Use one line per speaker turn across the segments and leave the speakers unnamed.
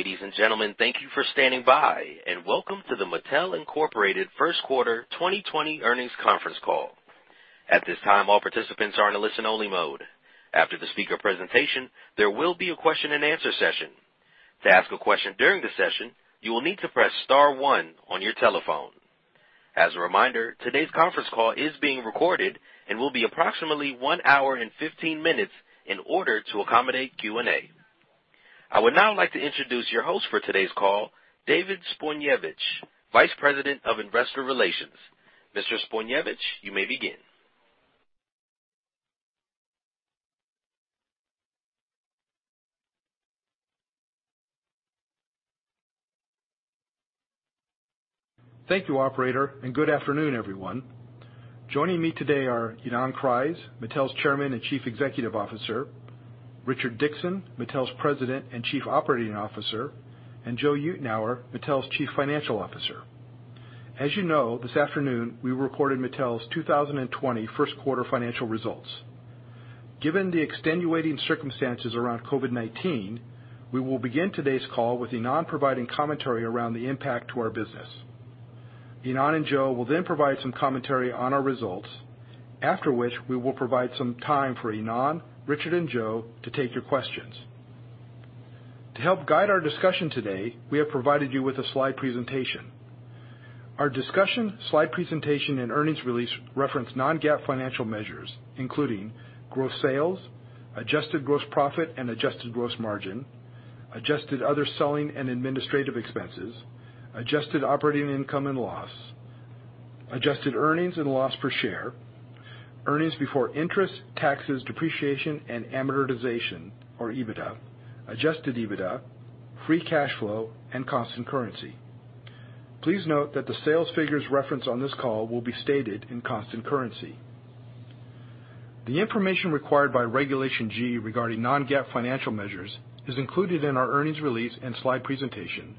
Ladies and gentlemen, thank you for standing by, and welcome to the Mattel First Quarter 2020 Earnings Conference Call. At this time, all participants are in a listen-only mode. After the speaker presentation, there will be a question-and-answer session. To ask a question during the session, you will need to press star one on your telephone. As a reminder, today's conference call is being recorded and will be approximately one hour and 15 minutes in order to accommodate Q&A. I would now like to introduce your host for today's call, David Zbojniewicz, Vice President of Investor Relations. Mr. Zbojniewicz, you may begin.
Thank you, Operator, and good afternoon, everyone. Joining me today are Ynon Kreiz, Mattel's Chairman and Chief Executive Officer; Richard Dickson, Mattel's President and Chief Operating Officer; and Joe Euteneuer, Mattel's Chief Financial Officer. As you know, this afternoon we recorded Mattel's 2020 first quarter financial results. Given the extenuating circumstances around COVID-19, we will begin today's call with Ynon providing commentary around the impact to our business. Ynon and Joe will then provide some commentary on our results, after which we will provide some time for Ynon, Richard, and Joe to take your questions. To help guide our discussion today, we have provided you with a slide presentation. Our discussion, slide presentation, and earnings release reference non-GAAP financial measures, including gross sales, adjusted gross profit and adjusted gross margin, adjusted other selling and administrative expenses, adjusted operating income and loss, adjusted earnings and loss per share, earnings before interest, taxes, depreciation, and amortization, or EBITDA, adjusted EBITDA, free cash flow, and constant currency. Please note that the sales figures referenced on this call will be stated in constant currency. The information required by Regulation G regarding non-GAAP financial measures is included in our earnings release and slide presentation,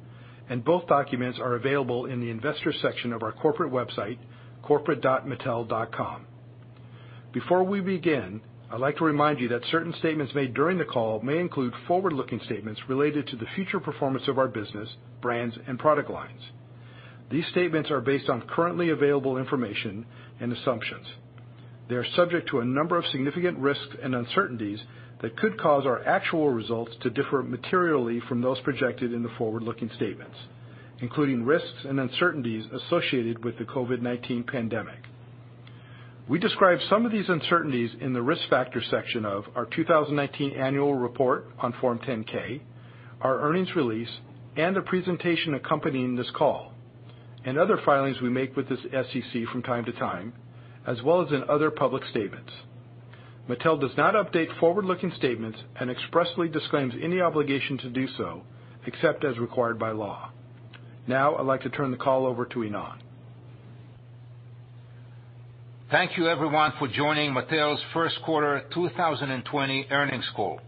and both documents are available in the investor section of our corporate website, corporate.mattel.com. Before we begin, I'd like to remind you that certain statements made during the call may include forward-looking statements related to the future performance of our business, brands, and product lines. These statements are based on currently available information and assumptions. They are subject to a number of significant risks and uncertainties that could cause our actual results to differ materially from those projected in the forward-looking statements, including risks and uncertainties associated with the COVID-19 pandemic. We describe some of these uncertainties in the risk factor section of our 2019 annual report on Form 10-K, our earnings release, and the presentation accompanying this call, and other filings we make with the SEC from time to time, as well as in other public statements. Mattel does not update forward-looking statements and expressly disclaims any obligation to do so except as required by law. Now, I'd like to turn the call over to Ynon.
Thank you, everyone, for joining Mattel's first quarter 2020 earnings call.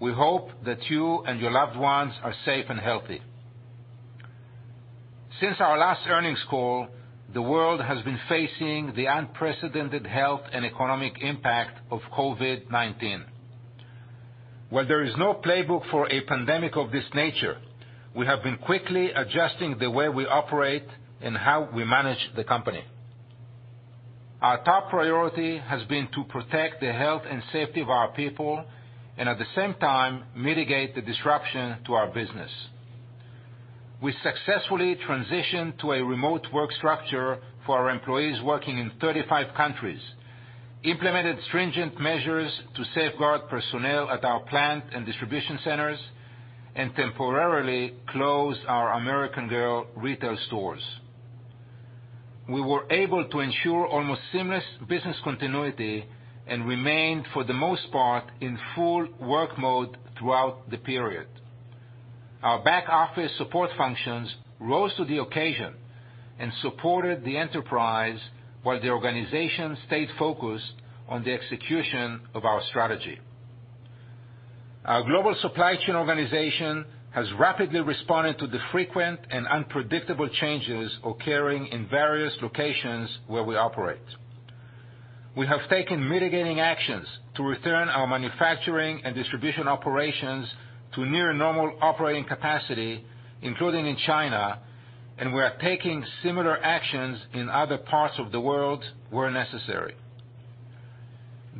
We hope that you and your loved ones are safe and healthy. Since our last earnings call, the world has been facing the unprecedented health and economic impact of COVID-19. While there is no playbook for a pandemic of this nature, we have been quickly adjusting the way we operate and how we manage the company. Our top priority has been to protect the health and safety of our people and, at the same time, mitigate the disruption to our business. We successfully transitioned to a remote work structure for our employees working in 35 countries, implemented stringent measures to safeguard personnel at our plant and distribution centers, and temporarily closed our American Girl retail stores. We were able to ensure almost seamless business continuity and remained, for the most part, in full work mode throughout the period. Our back-office support functions rose to the occasion and supported the enterprise while the organization stayed focused on the execution of our strategy. Our global supply chain organization has rapidly responded to the frequent and unpredictable changes occurring in various locations where we operate. We have taken mitigating actions to return our manufacturing and distribution operations to near-normal operating capacity, including in China, and we are taking similar actions in other parts of the world where necessary.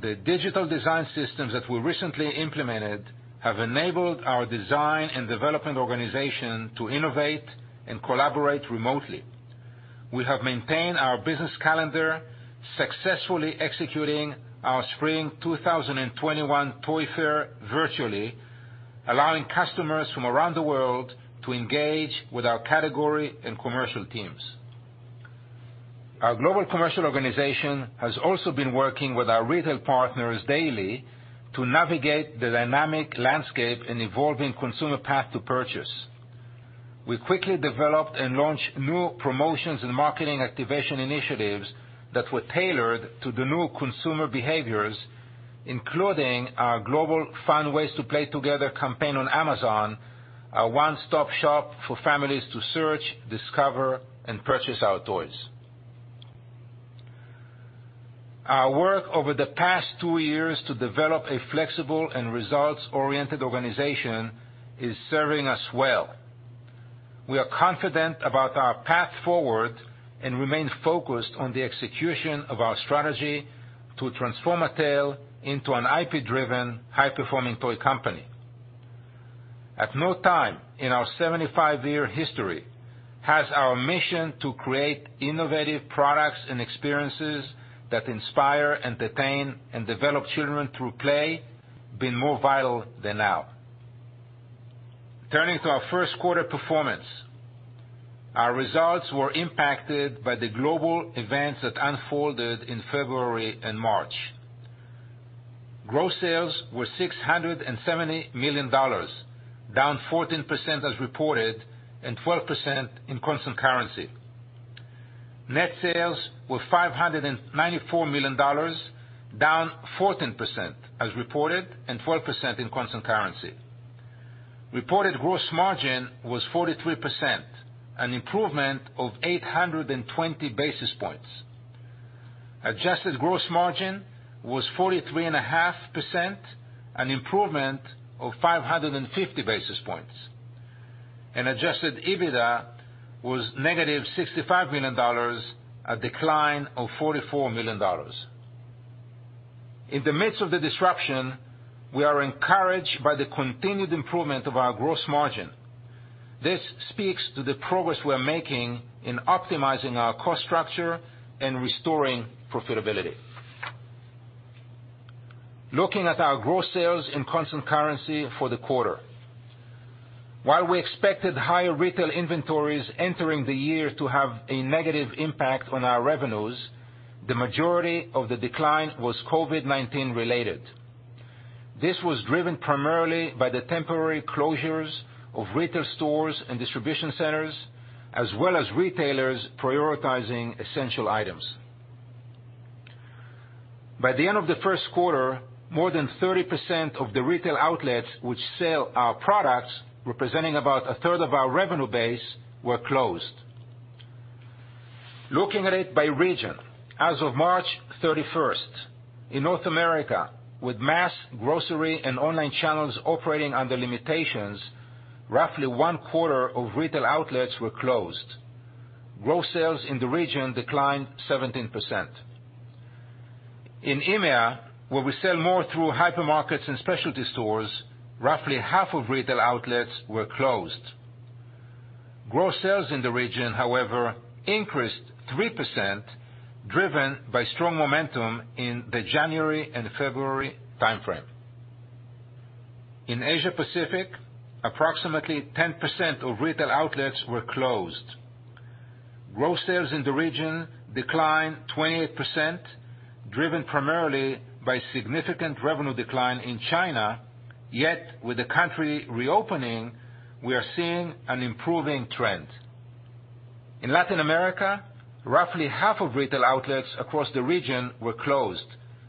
The digital design systems that we recently implemented have enabled our design and development organization to innovate and collaborate remotely. We have maintained our business calendar, successfully executing our Spring 2021 Toy Fair virtually, allowing customers from around the world to engage with our category and commercial teams. Our global commercial organization has also been working with our retail partners daily to navigate the dynamic landscape and evolving consumer path to purchase. We quickly developed and launched new promotions and marketing activation initiatives that were tailored to the new consumer behaviors, including our global Fun Ways to Play Together campaign on Amazon, our one-stop shop for families to search, discover, and purchase our toys. Our work over the past two years to develop a flexible and results-oriented organization is serving us well. We are confident about our path forward and remain focused on the execution of our strategy to transform Mattel into an IP-driven, high-performing toy company. At no time in our 75-year history has our mission to create innovative products and experiences that inspire, entertain, and develop children through play been more vital than now. Turning to our first quarter performance, our results were impacted by the global events that unfolded in February and March. Gross sales were $670 million, down 14% as reported and 12% in constant currency. Net sales were $594 million, down 14% as reported and 12% in constant currency. Reported gross margin was 43%, an improvement of 820 basis points. Adjusted gross margin was 43.5%, an improvement of 550 basis points. Adjusted EBITDA was -$65 million, a decline of $44 million. In the midst of the disruption, we are encouraged by the continued improvement of our gross margin. This speaks to the progress we are making in optimizing our cost structure and restoring profitability. Looking at our gross sales in constant currency for the quarter, while we expected higher retail inventories entering the year to have a negative impact on our revenues, the majority of the decline was COVID-19 related. This was driven primarily by the temporary closures of retail stores and distribution centers, as well as retailers prioritizing essential items. By the end of the first quarter, more than 30% of the retail outlets which sell our products, representing about a third of our revenue base, were closed. Looking at it by region, as of March 31st, in North America, with mass grocery and online channels operating under limitations, roughly one quarter of retail outlets were closed. Gross sales in the region declined 17%. In EMEA, where we sell more through hypermarkets and specialty stores, roughly half of retail outlets were closed. Gross sales in the region, however, increased 3%, driven by strong momentum in the January and February timeframe. In Asia Pacific, approximately 10% of retail outlets were closed. Gross sales in the region declined 28%, driven primarily by significant revenue decline in China, yet with the country reopening, we are seeing an improving trend. In Latin America, roughly half of retail outlets across the region were closed,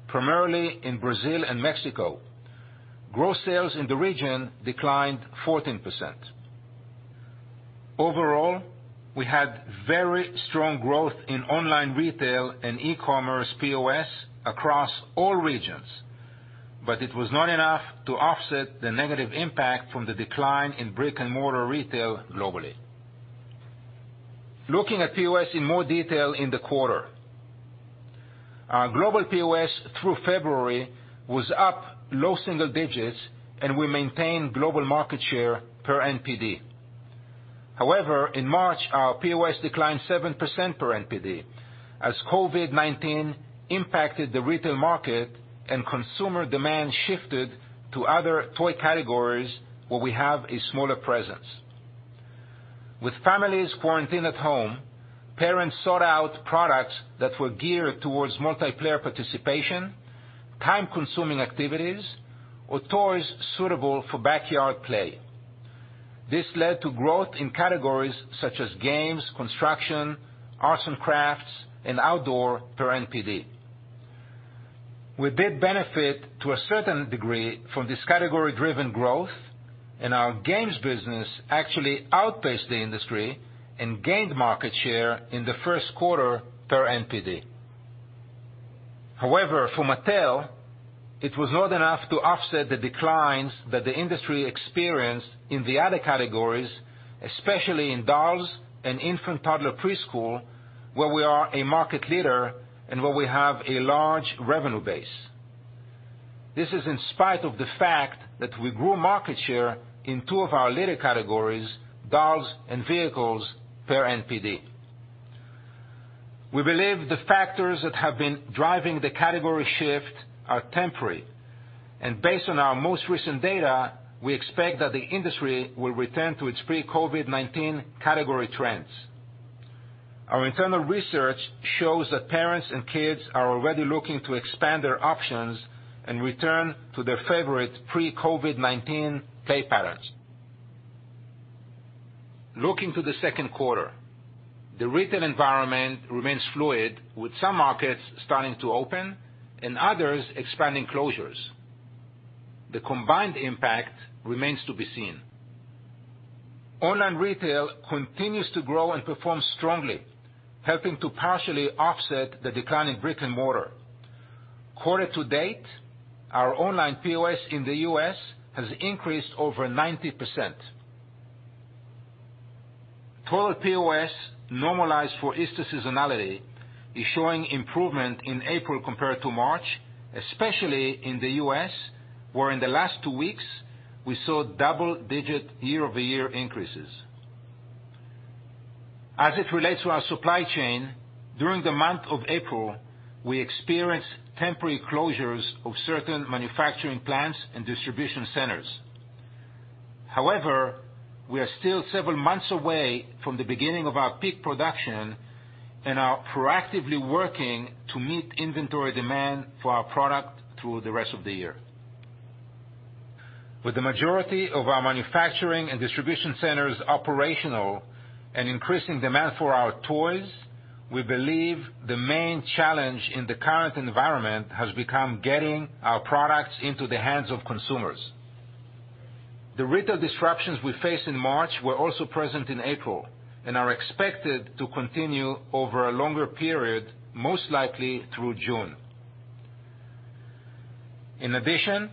primarily in Brazil and Mexico. Gross sales in the region declined 14%. Overall, we had very strong growth in online retail and e-commerce POS across all regions, but it was not enough to offset the negative impact from the decline in brick-and-mortar retail globally. Looking at POS in more detail in the quarter, our global POS through February was up low single digits, and we maintained global market share per NPD. However, in March, our POS declined 7% per NPD as COVID-19 impacted the retail market and consumer demand shifted to other toy categories where we have a smaller presence. With families quarantined at home, parents sought out products that were geared towards multiplayer participation, time-consuming activities, or toys suitable for backyard play. This led to growth in categories such as games, construction, arts and crafts, and outdoor, per NPD. We did benefit to a certain degree from this category-driven growth, and our games business actually outpaced the industry and gained market share in the first quarter per NPD. However, for Mattel, it was not enough to offset the declines that the industry experienced in the other categories, especially in dolls and infant toddler preschool, where we are a market leader and where we have a large revenue base. This is in spite of the fact that we grew market share in two of our leader categories, dolls and vehicles, per NPD. We believe the factors that have been driving the category shift are temporary, and based on our most recent data, we expect that the industry will return to its pre-COVID-19 category trends. Our internal research shows that parents and kids are already looking to expand their options and return to their favorite pre-COVID-19 play patterns. Looking to the second quarter, the retail environment remains fluid, with some markets starting to open and others expanding closures. The combined impact remains to be seen. Online retail continues to grow and perform strongly, helping to partially offset the decline in brick-and-mortar. Quarter to date, our online POS in the U.S. has increased over 90%. Total POS normalized for Easter seasonality is showing improvement in April compared to March, especially in the U.S., where in the last two weeks we saw double-digit year-over-year increases. As it relates to our supply chain, during the month of April, we experienced temporary closures of certain manufacturing plants and distribution centers. However, we are still several months away from the beginning of our peak production and are proactively working to meet inventory demand for our product through the rest of the year. With the majority of our manufacturing and distribution centers operational and increasing demand for our toys, we believe the main challenge in the current environment has become getting our products into the hands of consumers. The retail disruptions we faced in March were also present in April and are expected to continue over a longer period, most likely through June. In addition,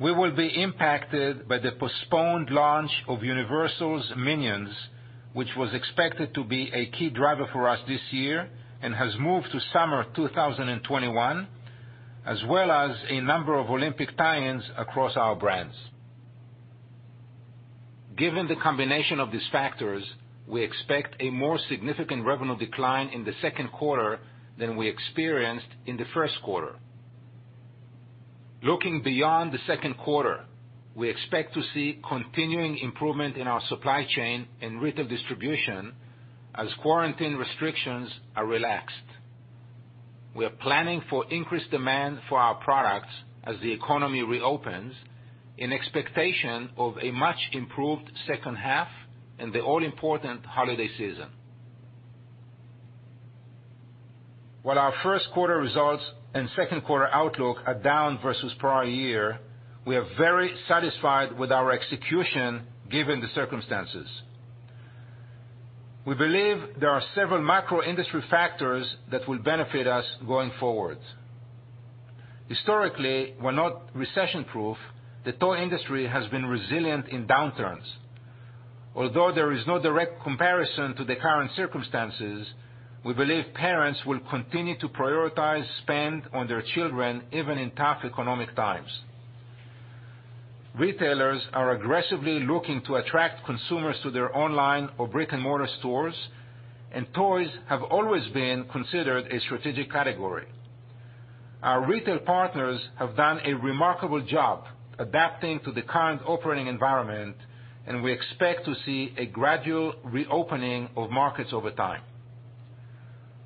we will be impacted by the postponed launch of Universal's Minions, which was expected to be a key driver for us this year and has moved to Summer 2021, as well as a number of Olympic tie-ins across our brands. Given the combination of these factors, we expect a more significant revenue decline in the second quarter than we experienced in the first quarter. Looking beyond the second quarter, we expect to see continuing improvement in our supply chain and retail distribution as quarantine restrictions are relaxed. We are planning for increased demand for our products as the economy reopens in expectation of a much-improved second half and the all-important holiday season. While our first quarter results and second quarter outlook are down versus prior year, we are very satisfied with our execution given the circumstances. We believe there are several macro-industry factors that will benefit us going forward. Historically, while not recession-proof, the toy industry has been resilient in downturns. Although there is no direct comparison to the current circumstances, we believe parents will continue to prioritize spending on their children even in tough economic times. Retailers are aggressively looking to attract consumers to their online or brick-and-mortar stores, and toys have always been considered a strategic category. Our retail partners have done a remarkable job adapting to the current operating environment, and we expect to see a gradual reopening of markets over time.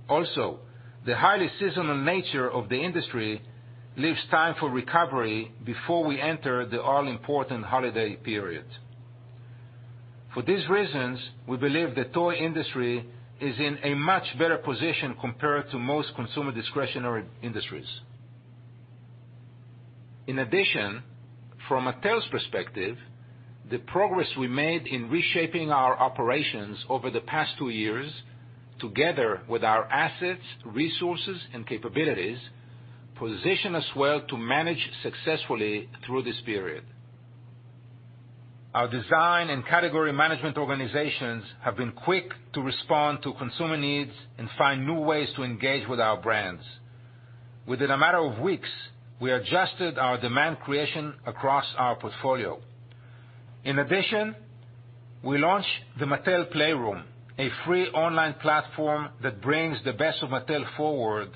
Also, the highly seasonal nature of the industry leaves time for recovery before we enter the all-important holiday period. For these reasons, we believe the toy industry is in a much better position compared to most consumer discretionary industries. In addition, from Mattel's perspective, the progress we made in reshaping our operations over the past two years, together with our assets, resources, and capabilities, positions us well to manage successfully through this period. Our design and category management organizations have been quick to respond to consumer needs and find new ways to engage with our brands. Within a matter of weeks, we adjusted our demand creation across our portfolio. In addition, we launched the Mattel Playroom, a free online platform that brings the best of Mattel forward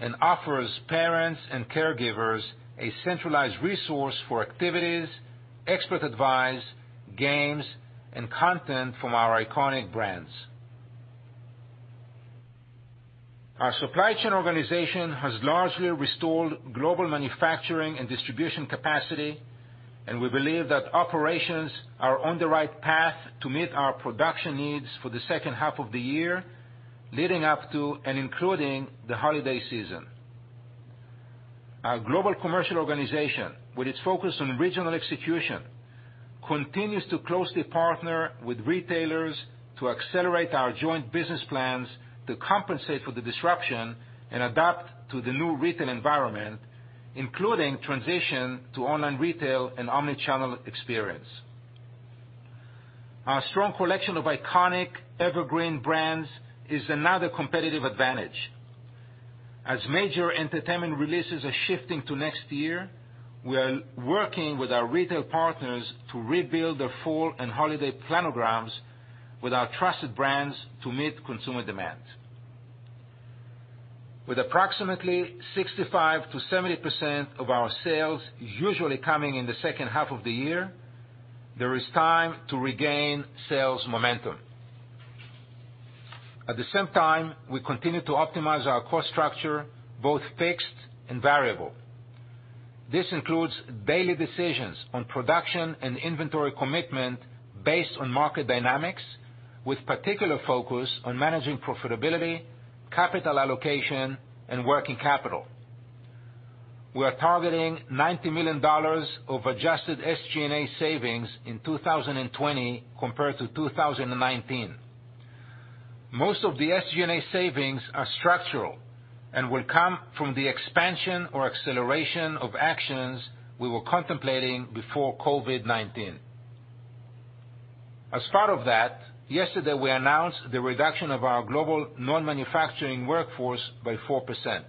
and offers parents and caregivers a centralized resource for activities, expert advice, games, and content from our iconic brands. Our supply chain organization has largely restored global manufacturing and distribution capacity, and we believe that operations are on the right path to meet our production needs for the second half of the year leading up to and including the holiday season. Our global commercial organization, with its focus on regional execution, continues to closely partner with retailers to accelerate our joint business plans to compensate for the disruption and adapt to the new retail environment, including transition to online retail and omnichannel experience. Our strong collection of iconic evergreen brands is another competitive advantage. As major entertainment releases are shifting to next year, we are working with our retail partners to rebuild the full and holiday planograms with our trusted brands to meet consumer demand. With approximately 65%-70% of our sales usually coming in the second half of the year, there is time to regain sales momentum. At the same time, we continue to optimize our cost structure, both fixed and variable. This includes daily decisions on production and inventory commitment based on market dynamics, with particular focus on managing profitability, capital allocation, and working capital. We are targeting $90 million of adjusted SG&A savings in 2020 compared to 2019. Most of the SG&A savings are structural and will come from the expansion or acceleration of actions we were contemplating before COVID-19. As part of that, yesterday we announced the reduction of our global non-manufacturing workforce by 4%.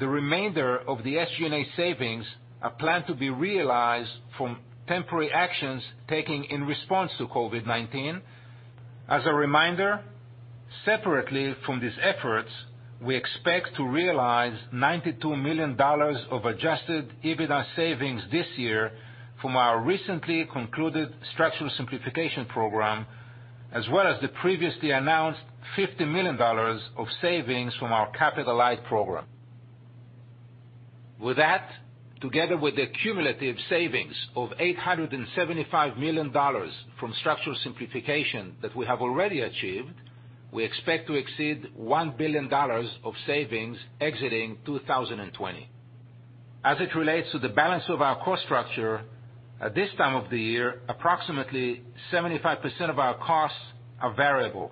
The remainder of the SG&A savings are planned to be realized from temporary actions taken in response to COVID-19. As a reminder, separately from these efforts, we expect to realize $92 million of adjusted EBITDA savings this year from our recently concluded Structural Simplification program, as well as the previously announced $50 million of savings from our Capital Light program. With that, together with the cumulative savings of $875 million from Structural Simplification that we have already achieved, we expect to exceed $1 billion of savings exiting 2020. As it relates to the balance of our cost structure, at this time of the year, approximately 75% of our costs are variable.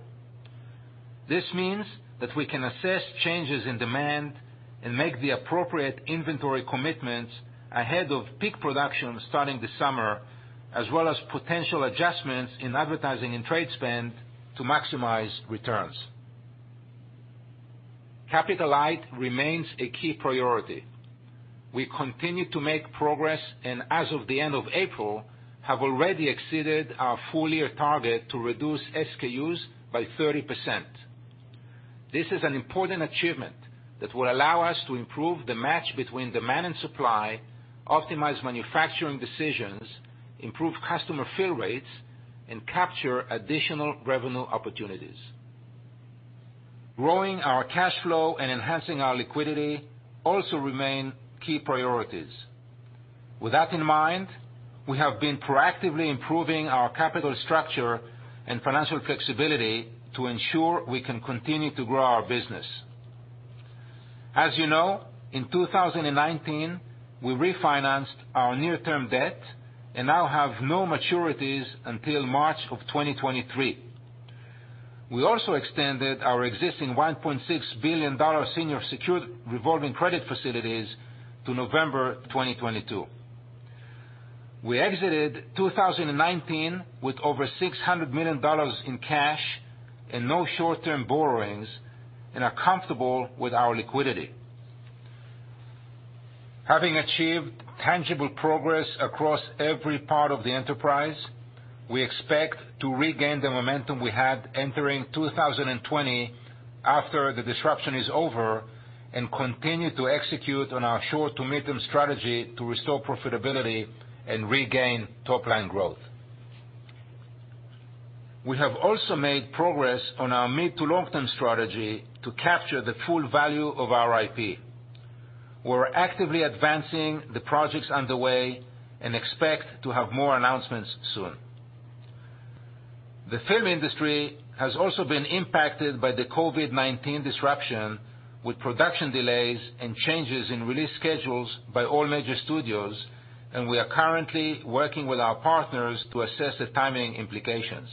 This means that we can assess changes in demand and make the appropriate inventory commitments ahead of peak production starting this summer, as well as potential adjustments in advertising and trade spend to maximize returns. Capital Light remains a key priority. We continue to make progress and, as of the end of April, have already exceeded our full-year target to reduce SKUs by 30%. This is an important achievement that will allow us to improve the match between demand and supply, optimize manufacturing decisions, improve customer fill rates, and capture additional revenue opportunities. Growing our cash flow and enhancing our liquidity also remain key priorities. With that in mind, we have been proactively improving our capital structure and financial flexibility to ensure we can continue to grow our business. As you know, in 2019, we refinanced our near-term debt and now have no maturities until March of 2023. We also extended our existing $1.6 billion senior secured revolving credit facilities to November 2022. We exited 2019 with over $600 million in cash and no short-term borrowings and are comfortable with our liquidity. Having achieved tangible progress across every part of the enterprise, we expect to regain the momentum we had entering 2020 after the disruption is over and continue to execute on our short-to-medium strategy to restore profitability and regain top-line growth. We have also made progress on our mid-to-long-term strategy to capture the full value of our IP. We're actively advancing the projects underway and expect to have more announcements soon. The film industry has also been impacted by the COVID-19 disruption, with production delays and changes in release schedules by all major studios, and we are currently working with our partners to assess the timing implications.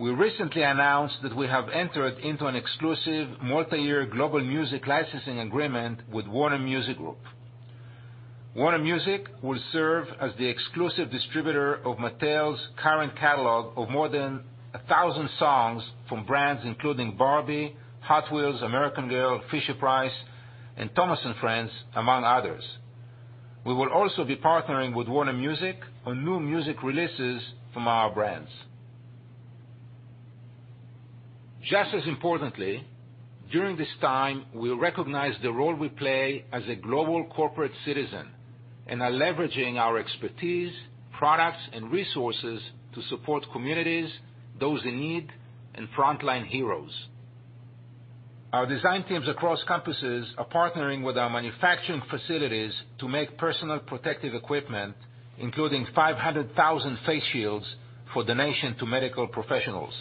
We recently announced that we have entered into an exclusive multi-year global music licensing agreement with Warner Music Group. Warner Music will serve as the exclusive distributor of Mattel's current catalog of more than 1,000 songs from brands including Barbie, Hot Wheels, American Girl, Fisher-Price, and Thomas & Friends, among others. We will also be partnering with Warner Music on new music releases from our brands. Just as importantly, during this time, we recognize the role we play as a global corporate citizen and are leveraging our expertise, products, and resources to support communities, those in need, and frontline heroes. Our design teams across campuses are partnering with our manufacturing facilities to make personal protective equipment, including 500,000 face shields for donation to medical professionals.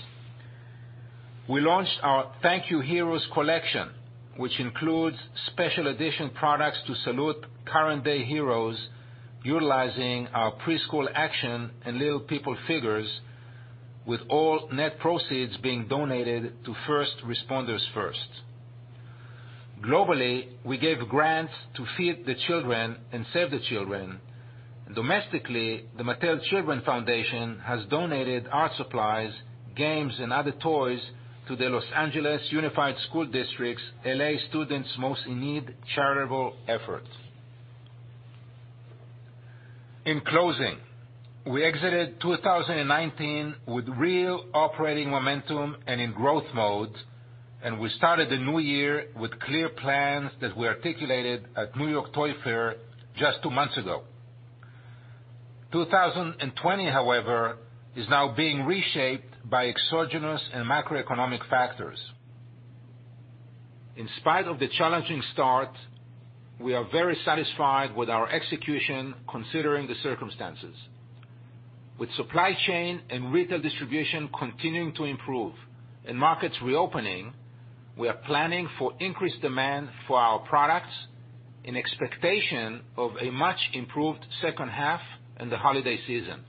We launched our Thank You Heroes collection, which includes special edition products to salute current-day heroes, utilizing our preschool action and Little People figures, with all net proceeds being donated to First Responders First. Globally, we gave grants to Feed the Children and Save the Children. Domestically, the Mattel Children's Foundation has donated art supplies, games, and other toys to the Los Angeles Unified School District's L.A. Students Most in Need charitable effort. In closing, we exited 2019 with real operating momentum and in growth mode, and we started the new year with clear plans that we articulated at New York Toy Fair just two months ago. 2020, however, is now being reshaped by exogenous and macroeconomic factors. In spite of the challenging start, we are very satisfied with our execution considering the circumstances. With supply chain and retail distribution continuing to improve and markets reopening, we are planning for increased demand for our products in expectation of a much-improved second half and the holiday season.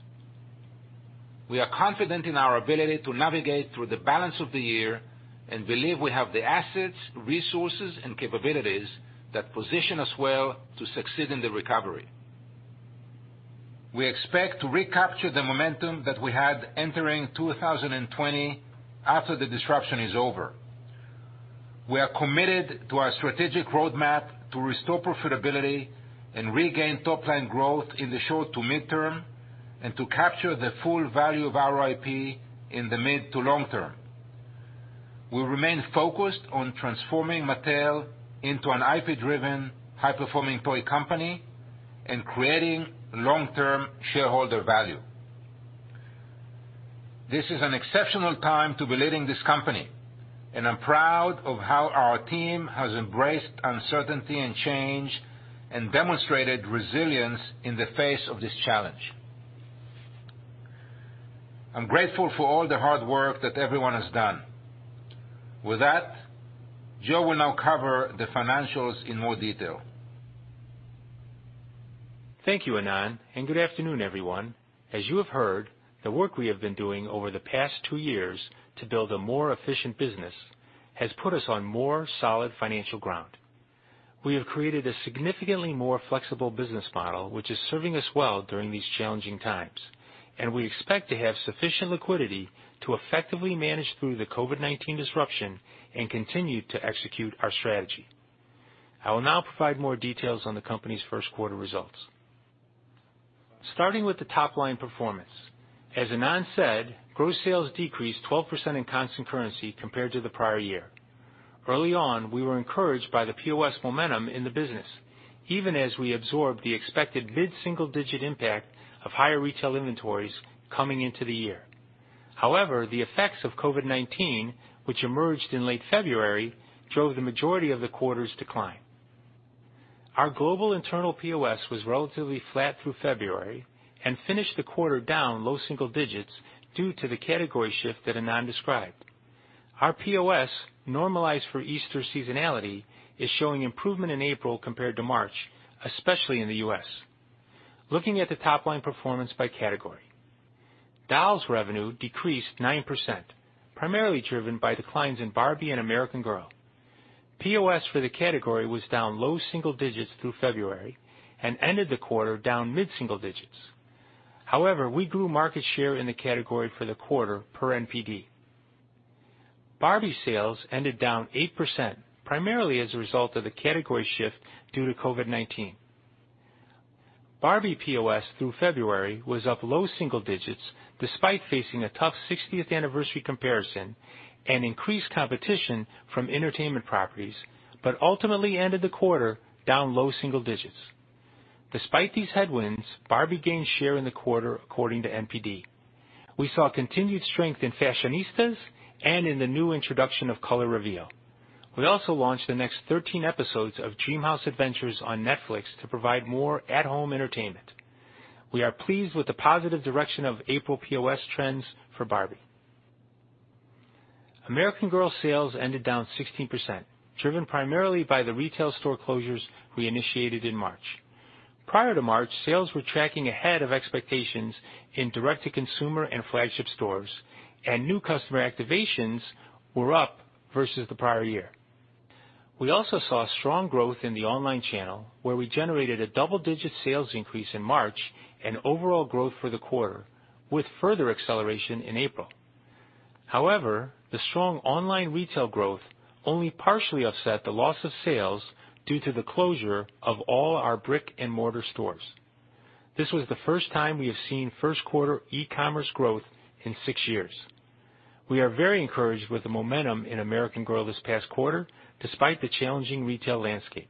We are confident in our ability to navigate through the balance of the year and believe we have the assets, resources, and capabilities that position us well to succeed in the recovery. We expect to recapture the momentum that we had entering 2020 after the disruption is over. We are committed to our strategic roadmap to restore profitability and regain top-line growth in the short to mid-term and to capture the full value of our IP in the mid to long-term. We remain focused on transforming Mattel into an IP-driven, high-performing toy company and creating long-term shareholder value. This is an exceptional time to be leading this company, and I'm proud of how our team has embraced uncertainty and change and demonstrated resilience in the face of this challenge. I'm grateful for all the hard work that everyone has done. With that, Joe will now cover the financials in more detail.
Thank you, Ynon, and good afternoon, everyone. As you have heard, the work we have been doing over the past two years to build a more efficient business has put us on more solid financial ground. We have created a significantly more flexible business model, which is serving us well during these challenging times, and we expect to have sufficient liquidity to effectively manage through the COVID-19 disruption and continue to execute our strategy. I will now provide more details on the company's first quarter results. Starting with the top-line performance, as Ynon said, gross sales decreased 12% in constant currency compared to the prior year. Early on, we were encouraged by the POS momentum in the business, even as we absorbed the expected mid-single-digit impact of higher retail inventories coming into the year. However, the effects of COVID-19, which emerged in late February, drove the majority of the quarter's decline. Our global internal POS was relatively flat through February and finished the quarter down low single digits due to the category shift that Ynon described. Our POS, normalized for Easter seasonality, is showing improvement in April compared to March, especially in the U.S. Looking at the top-line performance by category, Dolls revenue decreased 9%, primarily driven by declines in Barbie and American Girl. POS for the category was down low single digits through February and ended the quarter down mid-single digits. However, we grew market share in the category for the quarter per NPD. Barbie sales ended down 8%, primarily as a result of the category shift due to COVID-19. Barbie POS through February was up low single digits despite facing a tough 60th anniversary comparison and increased competition from entertainment properties, but ultimately ended the quarter down low single digits. Despite these headwinds, Barbie gained share in the quarter according to NPD. We saw continued strength in Fashionistas and in the new introduction of Color Reveal. We also launched the next 13 episodes of Dreamhouse Adventures on Netflix to provide more at-home entertainment. We are pleased with the positive direction of April POS trends for Barbie. American Girl sales ended down 16%, driven primarily by the retail store closures we initiated in March. Prior to March, sales were tracking ahead of expectations in direct-to-consumer and flagship stores, and new customer activations were up versus the prior year. We also saw strong growth in the online channel, where we generated a double-digit sales increase in March and overall growth for the quarter, with further acceleration in April. However, the strong online retail growth only partially offset the loss of sales due to the closure of all our brick-and-mortar stores. This was the first time we have seen first-quarter e-commerce growth in six years. We are very encouraged with the momentum in American Girl this past quarter, despite the challenging retail landscape.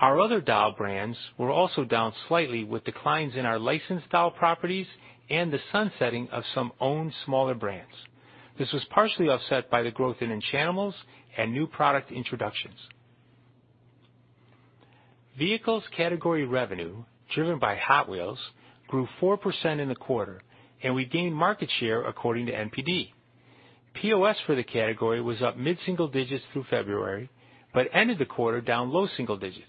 Our other doll brands were also down slightly, with declines in our licensed doll properties and the sunsetting of some owned smaller brands. This was partially offset by the growth in Enchantimals and new product introductions. Vehicles category revenue, driven by Hot Wheels, grew 4% in the quarter, and we gained market share according to NPD. POS for the category was up mid-single digits through February but ended the quarter down low single digits.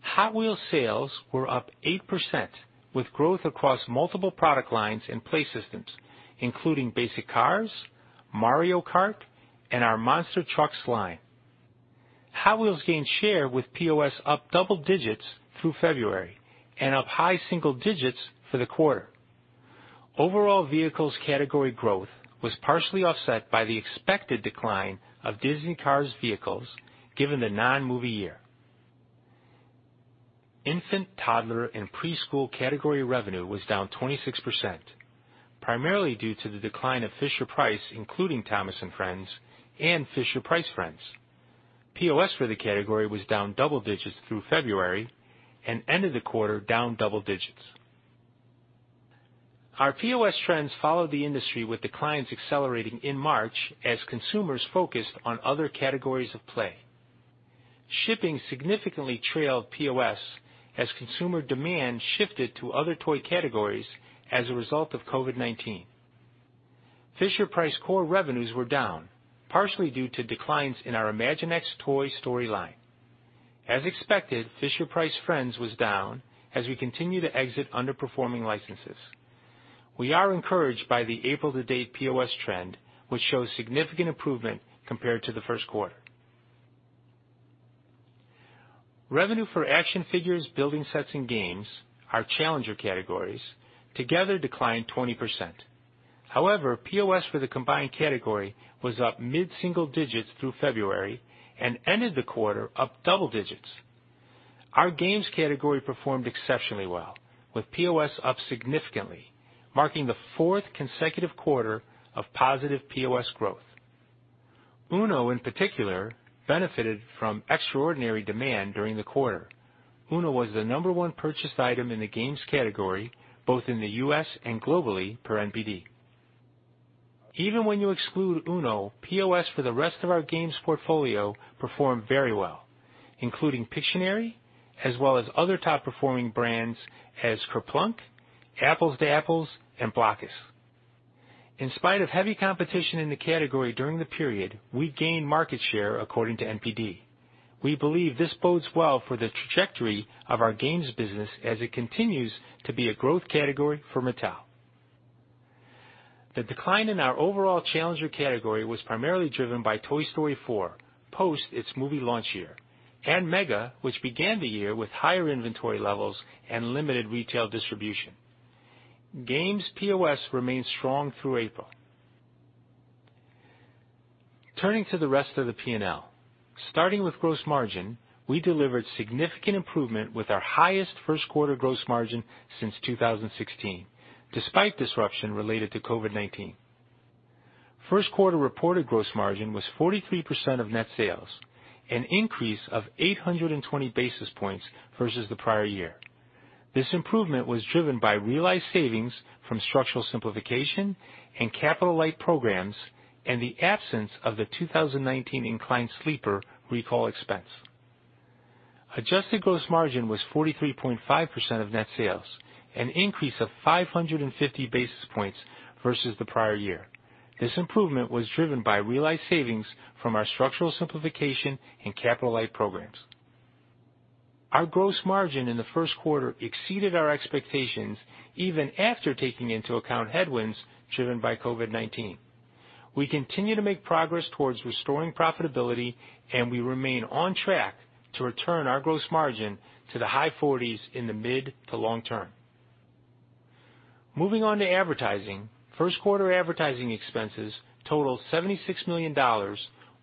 Hot Wheels sales were up 8%, with growth across multiple product lines and play systems, including basic cars, Mario Kart, and our Monster Trucks line. Hot Wheels gained share with POS up double digits through February and up high single digits for the quarter. Overall vehicles category growth was partially offset by the expected decline of Disney Cars vehicles given the non-movie year. Infant, toddler, and preschool category revenue was down 26%, primarily due to the decline of Fisher-Price, including Thomas & Friends, and Fisher-Price Friends. POS for the category was down double digits through February and ended the quarter down double digits. Our POS trends followed the industry with declines accelerating in March as consumers focused on other categories of play. Shipping significantly trailed POS as consumer demand shifted to other toy categories as a result of COVID-19. Fisher-Price core revenues were down, partially due to declines in our Imaginext Toy Story line. As expected, Fisher-Price Friends was down as we continue to exit underperforming licenses. We are encouraged by the April-to-date POS trend, which shows significant improvement compared to the first quarter. Revenue for action figures, building sets, and games, our challenger categories, together declined 20%. However, POS for the combined category was up mid-single digits through February and ended the quarter up double digits. Our games category performed exceptionally well, with POS up significantly, marking the fourth consecutive quarter of positive POS growth. UNO, in particular, benefited from extraordinary demand during the quarter. UNO was the number one purchased item in the games category, both in the U.S. and globally, per NPD. Even when you exclude UNO, POS for the rest of our games portfolio performed very well, including Pictionary, as well as other top-performing brands as Kerplunk, Apples to Apples, and Blokus. In spite of heavy competition in the category during the period, we gained market share according to NPD. We believe this bodes well for the trajectory of our games business as it continues to be a growth category for Mattel. The decline in our overall challenger category was primarily driven by Toy Story 4 post its movie launch year and MEGA, which began the year with higher inventory levels and limited retail distribution. Games POS remained strong through April. Turning to the rest of the P&L, starting with gross margin, we delivered significant improvement with our highest first-quarter gross margin since 2016, despite disruption related to COVID-19. First-quarter reported gross margin was 43% of net sales, an increase of 820 basis points versus the prior year. This improvement was driven by realized savings from Structural Simplification and Capital Light programs and the absence of the 2019 inclined sleeper recall expense. Adjusted gross margin was 43.5% of net sales, an increase of 550 basis points versus the prior year. This improvement was driven by realized savings from our Structural Simplification and Capital Light programs. Our gross margin in the first quarter exceeded our expectations even after taking into account headwinds driven by COVID-19. We continue to make progress towards restoring profitability, and we remain on track to return our gross margin to the high 40s in the mid to long term. Moving on to advertising, first-quarter advertising expenses totaled $76 million,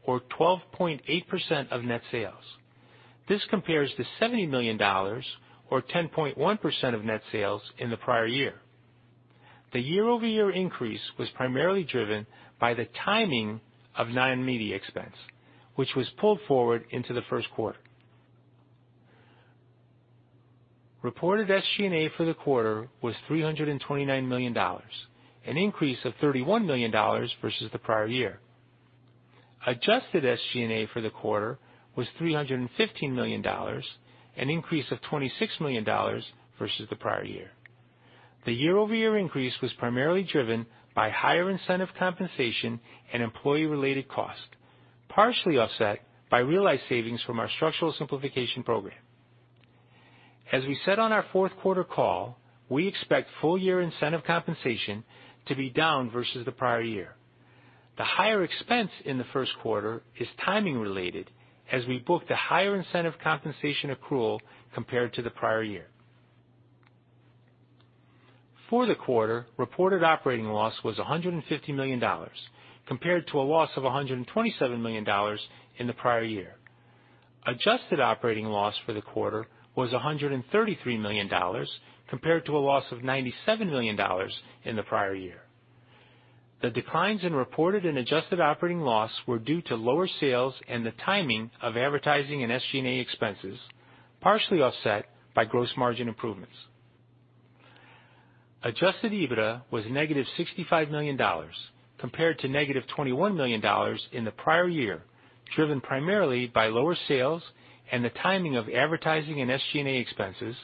or 12.8% of net sales. This compares to $70 million, or 10.1% of net sales in the prior year. The year-over-year increase was primarily driven by the timing of non-media expense, which was pulled forward into the first quarter. Reported SG&A for the quarter was $329 million, an increase of $31 million versus the prior year. Adjusted SG&A for the quarter was $315 million, an increase of $26 million versus the prior year. The year-over-year increase was primarily driven by higher incentive compensation and employee-related costs, partially offset by realized savings from our Structural Simplification program. As we said on our fourth quarter call, we expect full-year incentive compensation to be down versus the prior year. The higher expense in the first quarter is timing related as we booked a higher incentive compensation accrual compared to the prior year. For the quarter, reported operating loss was $150 million, compared to a loss of $127 million in the prior year. Adjusted operating loss for the quarter was $133 million, compared to a loss of $97 million in the prior year. The declines in reported and adjusted operating loss were due to lower sales and the timing of advertising and SG&A expenses, partially offset by gross margin improvements. Adjusted EBITDA was negative $65 million, compared to negative $21 million in the prior year, driven primarily by lower sales and the timing of advertising and SG&A expenses,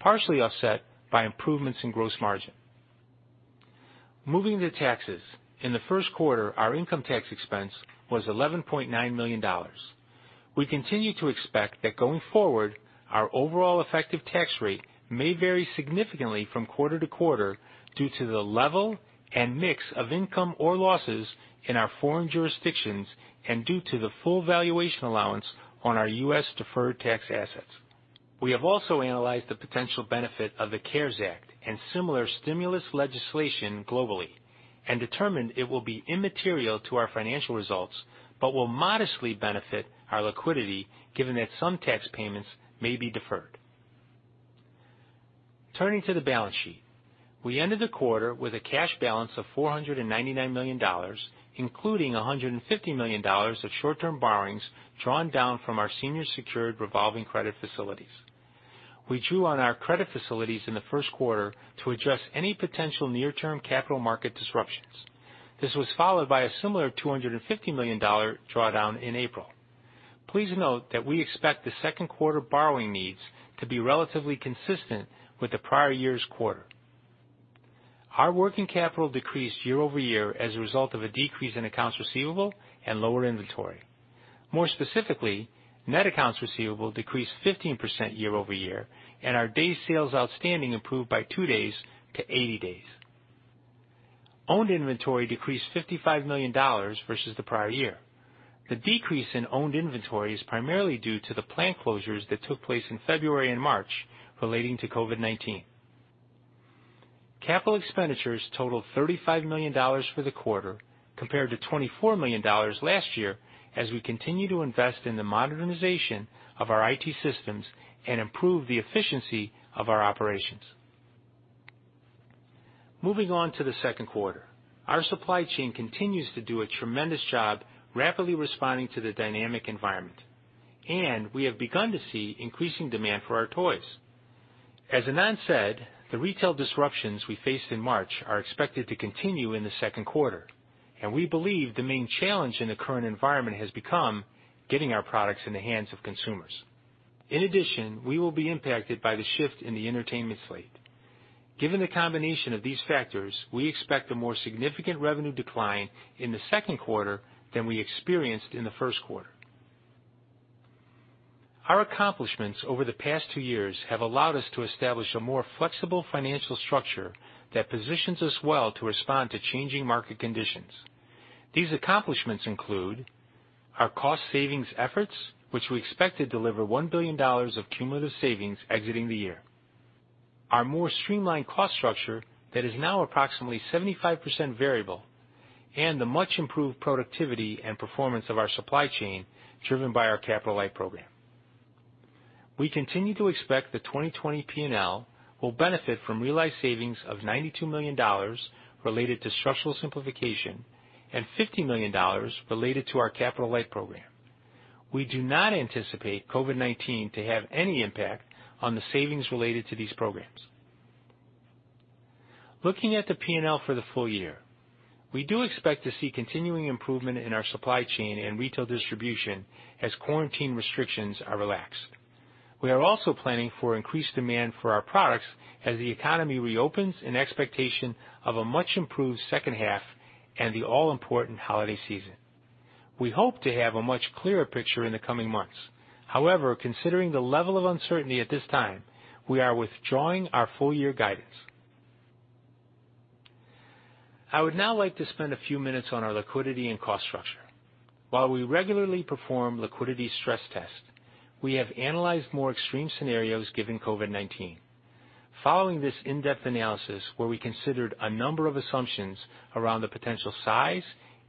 partially offset by improvements in gross margin. Moving to taxes, in the first quarter, our income tax expense was $11.9 million. We continue to expect that going forward, our overall effective tax rate may vary significantly from quarter to quarter due to the level and mix of income or losses in our foreign jurisdictions and due to the full valuation allowance on our U.S. deferred tax assets. We have also analyzed the potential benefit of the CARES Act and similar stimulus legislation globally and determined it will be immaterial to our financial results but will modestly benefit our liquidity given that some tax payments may be deferred. Turning to the balance sheet, we ended the quarter with a cash balance of $499 million, including $150 million of short-term borrowings drawn down from our senior-secured revolving credit facilities. We drew on our credit facilities in the first quarter to address any potential near-term capital market disruptions. This was followed by a similar $250 million drawdown in April. Please note that we expect the second quarter borrowing needs to be relatively consistent with the prior year's quarter. Our working capital decreased year-over-year as a result of a decrease in accounts receivable and lower inventory. More specifically, net accounts receivable decreased 15% year-over-year, and our day sales outstanding improved by two days to 80 days. Owned inventory decreased $55 million versus the prior year. The decrease in owned inventory is primarily due to the plant closures that took place in February and March relating to COVID-19. Capital expenditures totaled $35 million for the quarter, compared to $24 million last year as we continue to invest in the modernization of our IT systems and improve the efficiency of our operations. Moving on to the second quarter, our supply chain continues to do a tremendous job rapidly responding to the dynamic environment, and we have begun to see increasing demand for our toys. As Ynon said, the retail disruptions we faced in March are expected to continue in the second quarter, and we believe the main challenge in the current environment has become getting our products in the hands of consumers. In addition, we will be impacted by the shift in the entertainment slate. Given the combination of these factors, we expect a more significant revenue decline in the second quarter than we experienced in the first quarter. Our accomplishments over the past two years have allowed us to establish a more flexible financial structure that positions us well to respond to changing market conditions. These accomplishments include our cost savings efforts, which we expected to deliver $1 billion of cumulative savings exiting the year, our more streamlined cost structure that is now approximately 75% variable, and the much-improved productivity and performance of our supply chain driven by our Capital Light program. We continue to expect the 2020 P&L will benefit from realized savings of $92 million related to Structural Simplification and $50 million related to our Capital Light program. We do not anticipate COVID-19 to have any impact on the savings related to these programs. Looking at the P&L for the full year, we do expect to see continuing improvement in our supply chain and retail distribution as quarantine restrictions are relaxed. We are also planning for increased demand for our products as the economy reopens in expectation of a much-improved second half and the all-important holiday season. We hope to have a much clearer picture in the coming months. However, considering the level of uncertainty at this time, we are withdrawing our full-year guidance. I would now like to spend a few minutes on our liquidity and cost structure. While we regularly perform liquidity stress tests, we have analyzed more extreme scenarios given COVID-19. Following this in-depth analysis where we considered a number of assumptions around the potential size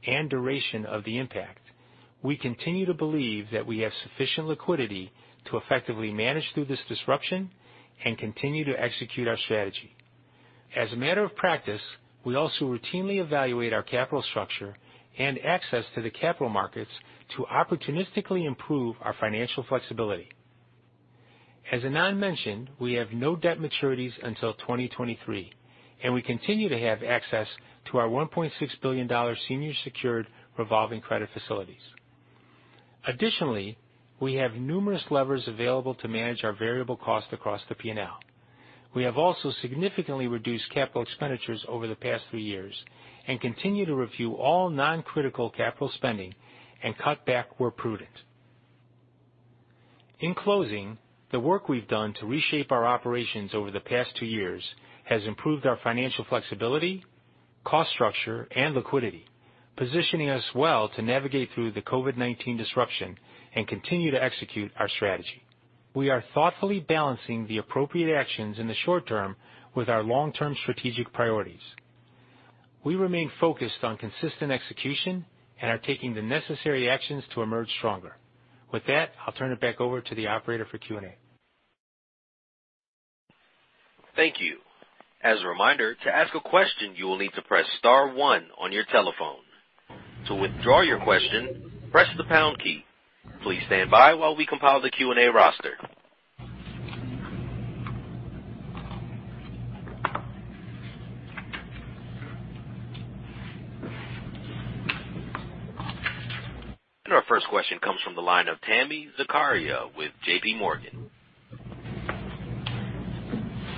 and duration of the impact, we continue to believe that we have sufficient liquidity to effectively manage through this disruption and continue to execute our strategy. As a matter of practice, we also routinely evaluate our capital structure and access to the capital markets to opportunistically improve our financial flexibility. As Ynon mentioned, we have no debt maturities until 2023, and we continue to have access to our $1.6 billion senior-secured revolving credit facilities. Additionally, we have numerous levers available to manage our variable cost across the P&L. We have also significantly reduced capital expenditures over the past three years and continue to review all non-critical capital spending and cut back where prudent. In closing, the work we've done to reshape our operations over the past two years has improved our financial flexibility, cost structure, and liquidity, positioning us well to navigate through the COVID-19 disruption and continue to execute our strategy. We are thoughtfully balancing the appropriate actions in the short term with our long-term strategic priorities. We remain focused on consistent execution and are taking the necessary actions to emerge stronger. With that, I'll turn it back over to the operator for Q&A.
Thank you. As a reminder, to ask a question, you will need to press star one on your telephone. To withdraw your question, press the pound key. Please stand by while we compile the Q&A roster. Our first question comes from the line of Tami Zakaria with JPMorgan.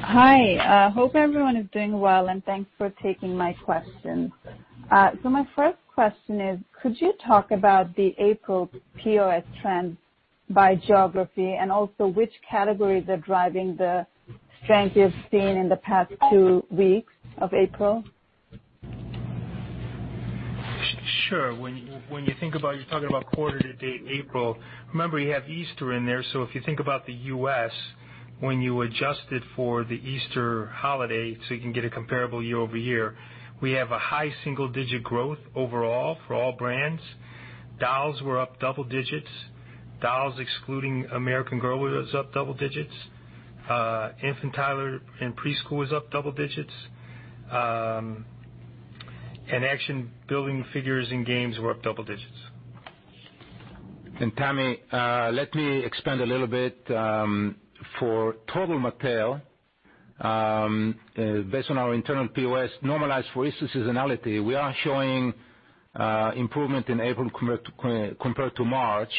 Hi. I hope everyone is doing well, and thanks for taking my question. My first question is, could you talk about the April POS trends by geography and also which categories are driving the strength you've seen in the past two weeks of April?
Sure. When you think about you're talking about quarter-to-date April, remember you have Easter in there, so if you think about the U.S., when you adjusted for the Easter holiday so you can get a comparable year-over-year, we have a high single-digit growth overall for all brands. Dolls were up double digits. Dolls excluding American Girl was up double digits. Infant, toddler, and preschool was up double digits. And action-building figures and games were up double digits.
Tami, let me expand a little bit. For total Mattel, based on our internal POS, normalized for Easter seasonality, we are showing improvement in April compared to March.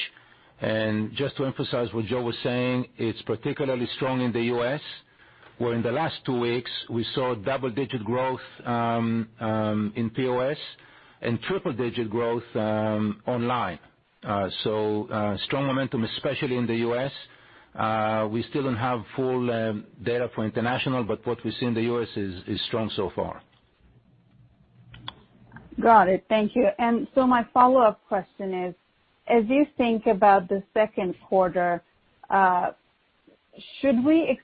Just to emphasize what Joe was saying, it is particularly strong in the U.S., where in the last two weeks, we saw double-digit growth in POS and triple-digit growth online. Strong momentum, especially in the U.S. We still do not have full data for international, but what we see in the U.S. is strong so far.
Got it. Thank you. My follow-up question is, as you think about the second quarter, should we expect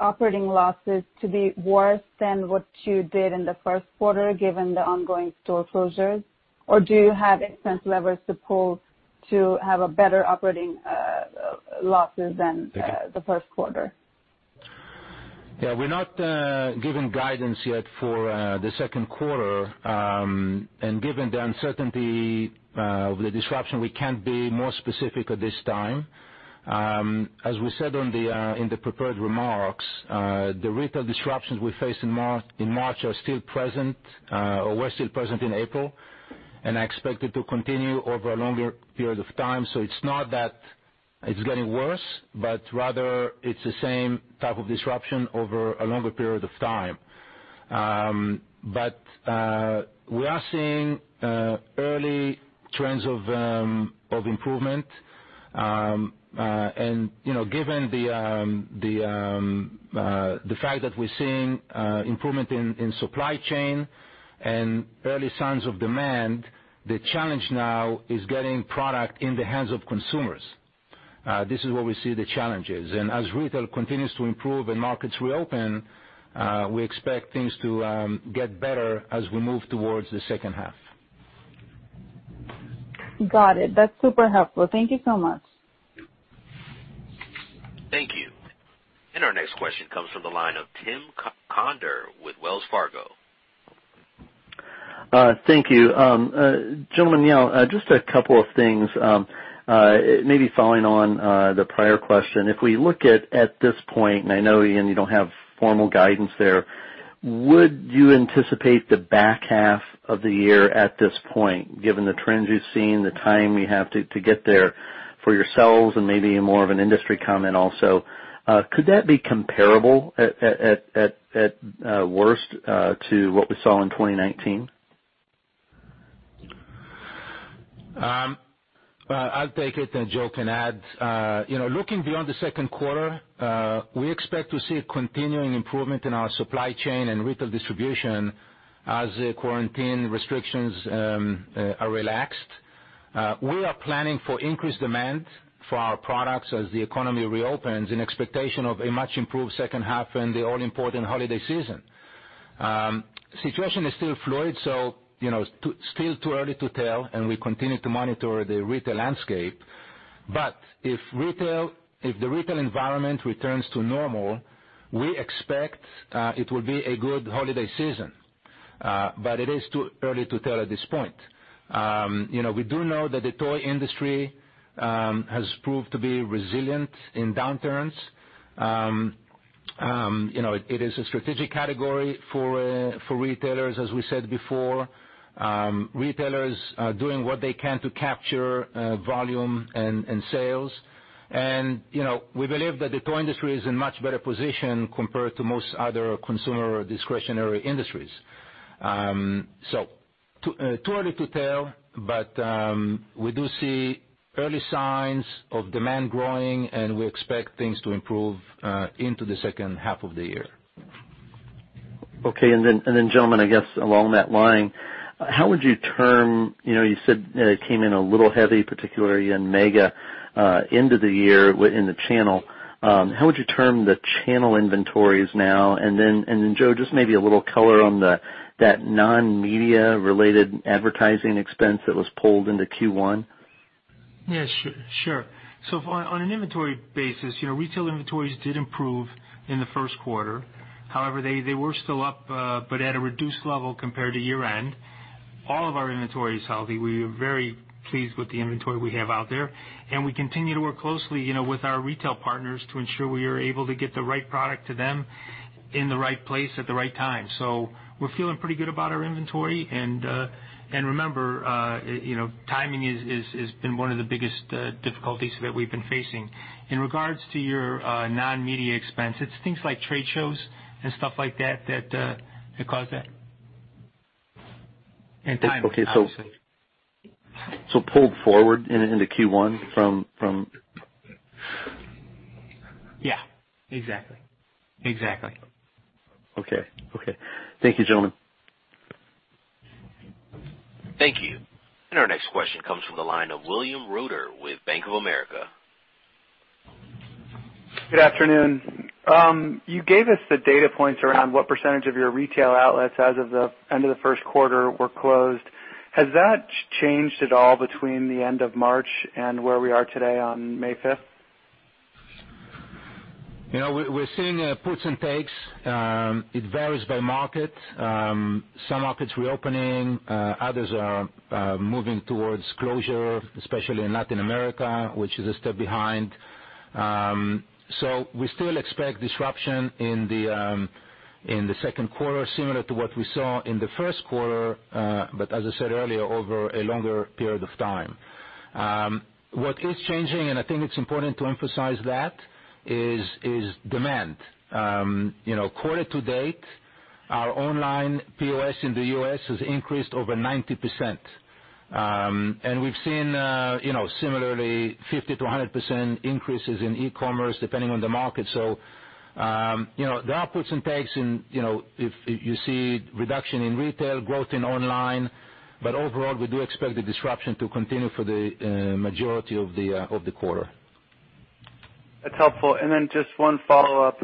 operating losses to be worse than what you did in the first quarter given the ongoing store closures? Or do you have expense levers to pull to have better operating losses than the first quarter?
Yeah. We are not giving guidance yet for the second quarter. Given the uncertainty of the disruption, we cannot be more specific at this time. As we said in the prepared remarks, the retail disruptions we faced in March are still present, or were still present in April, and I expect it to continue over a longer period of time. It is not that it is getting worse, but rather it is the same type of disruption over a longer period of time. We are seeing early trends of improvement. Given the fact that we are seeing improvement in supply chain and early signs of demand, the challenge now is getting product in the hands of consumers. This is where we see the challenges. As retail continues to improve and markets reopen, we expect things to get better as we move towards the second half.
Got it. That is super helpful. Thank you so much.
Thank you. Our next question comes from the line of Tim Conder with Wells Fargo.
Thank you. Joe and Ynon, just a couple of things, maybe following on the prior question. If we look at this point, and I know you don't have formal guidance there, would you anticipate the back half of the year at this point, given the trends you've seen, the time we have to get there for yourselves and maybe more of an industry comment also? Could that be comparable at worst to what we saw in 2019?
I'll take it and Joe can add. Looking beyond the second quarter, we expect to see continuing improvement in our supply chain and retail distribution as quarantine restrictions are relaxed. We are planning for increased demand for our products as the economy reopens in expectation of a much-improved second half and the all-important holiday season. Situation is still fluid, so still too early to tell, and we continue to monitor the retail landscape. But if the retail environment returns to normal, we expect it will be a good holiday season. It is too early to tell at this point. We do know that the toy industry has proved to be resilient in downturns. It is a strategic category for retailers, as we said before. Retailers are doing what they can to capture volume and sales. We believe that the toy industry is in much better position compared to most other consumer discretionary industries. Too early to tell, but we do see early signs of demand growing, and we expect things to improve into the second half of the year.
Okay. Then, gentlemen, I guess along that line, how would you term you said it came in a little heavy, particularly in MEGA, into the year in the channel. How would you term the channel inventories now? Joe, just maybe a little color on that non-media-related advertising expense that was pulled into Q1?
Yeah. Sure. On an inventory basis, retail inventories did improve in the first quarter. However, they were still up but at a reduced level compared to year-end. All of our inventory is healthy. We are very pleased with the inventory we have out there. We continue to work closely with our retail partners to ensure we are able to get the right product to them in the right place at the right time. We're feeling pretty good about our inventory. Remember, timing has been one of the biggest difficulties that we've been facing. In regards to your non-media expense, it's things like trade shows and stuff like that that cause that. Timing obviously.
Okay. Pulled forward into Q1 from.
Yeah. Exactly. Exactly.
Okay. Okay. Thank you, Joe.
Thank you. Our next question comes from the line of William Reuter with Bank of America.
Good afternoon. You gave us the data points around what percentage of your retail outlets as of the end of the first quarter were closed. Has that changed at all between the end of March and where we are today on May 5th?
We are seeing puts and takes. It varies by market. Some markets are reopening. Others are moving towards closure, especially in Latin America, which is a step behind. We still expect disruption in the second quarter, similar to what we saw in the first quarter, but as I said earlier, over a longer period of time. What is changing, and I think it is important to emphasize that, is demand. Quarter-to-date, our online POS in the U.S. has increased over 90%. We have seen, similarly, 50%-100% increases in e-commerce depending on the market. There are puts and takes in if you see reduction in retail, growth in online. Overall, we do expect the disruption to continue for the majority of the quarter.
That's helpful. Just one follow-up.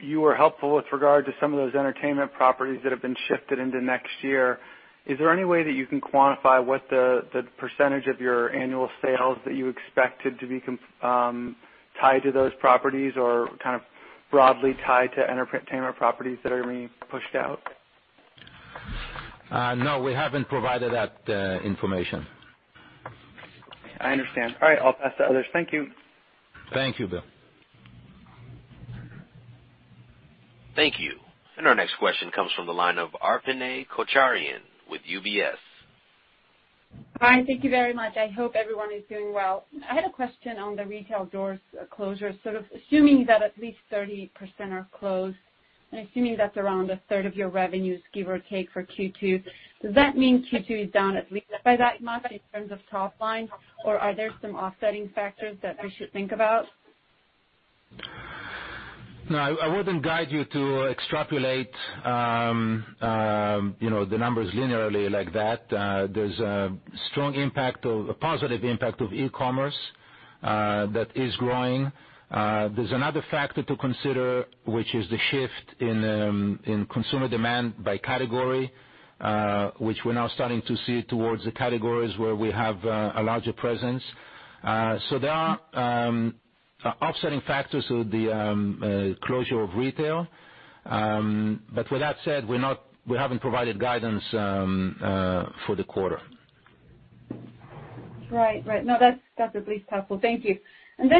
You were helpful with regard to some of those entertainment properties that have been shifted into next year. Is there any way that you can quantify what the percentage of your annual sales that you expected to be tied to those properties or kind of broadly tied to entertainment properties that are being pushed out?
No. We have not provided that information.
I understand. All right. I'll pass to others. Thank you.
Thank you, Bill.
Thank you. Our next question comes from the line of Arpine Kocharyan with UBS.
Hi. Thank you very much. I hope everyone is doing well. I had a question on the retail doors closure. Sort of assuming that at least 30% are closed and assuming that's around a third of your revenues, give or take, for Q2, does that mean Q2 is down at least by that much in terms of top line? Or are there some offsetting factors that we should think about?
No. I wouldn't guide you to extrapolate the numbers linearly like that. There is a strong impact of a positive impact of e-commerce that is growing. There is another factor to consider, which is the shift in consumer demand by category, which we're now starting to see towards the categories where we have a larger presence. There are offsetting factors to the closure of retail. With that said, we haven't provided guidance for the quarter.
Right. Right. No. That's at least helpful. Thank you.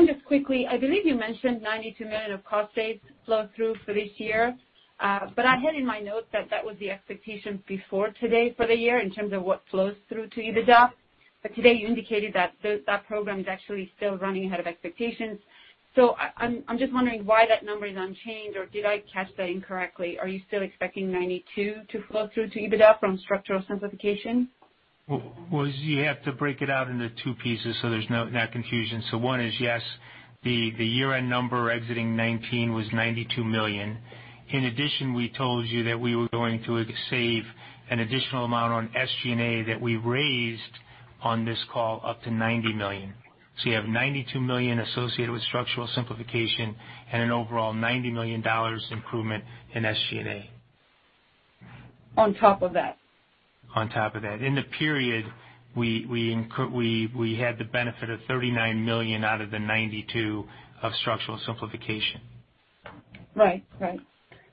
Just quickly, I believe you mentioned $92 million of cost saves flow-through for this year. I had in my notes that that was the expectation before today for the year in terms of what flows through to EBITDA. Today, you indicated that that program is actually still running ahead of expectations. I'm just wondering why that number is unchanged, or did I catch that incorrectly? Are you still expecting $92 million to flow through to EBITDA from structural simplification?
You have to break it out into two pieces so there's not confusion. One is, yes, the year-end number exiting 2019 was $92 million. In addition, we told you that we were going to save an additional amount on SG&A that we raised on this call up to $90 million. You have $92 million associated with structural simplification and an overall $90 million improvement in SG&A.
On top of that?
On top of that. In the period, we had the benefit of $39 million out of the $92 million of Structural Simplification.
Right.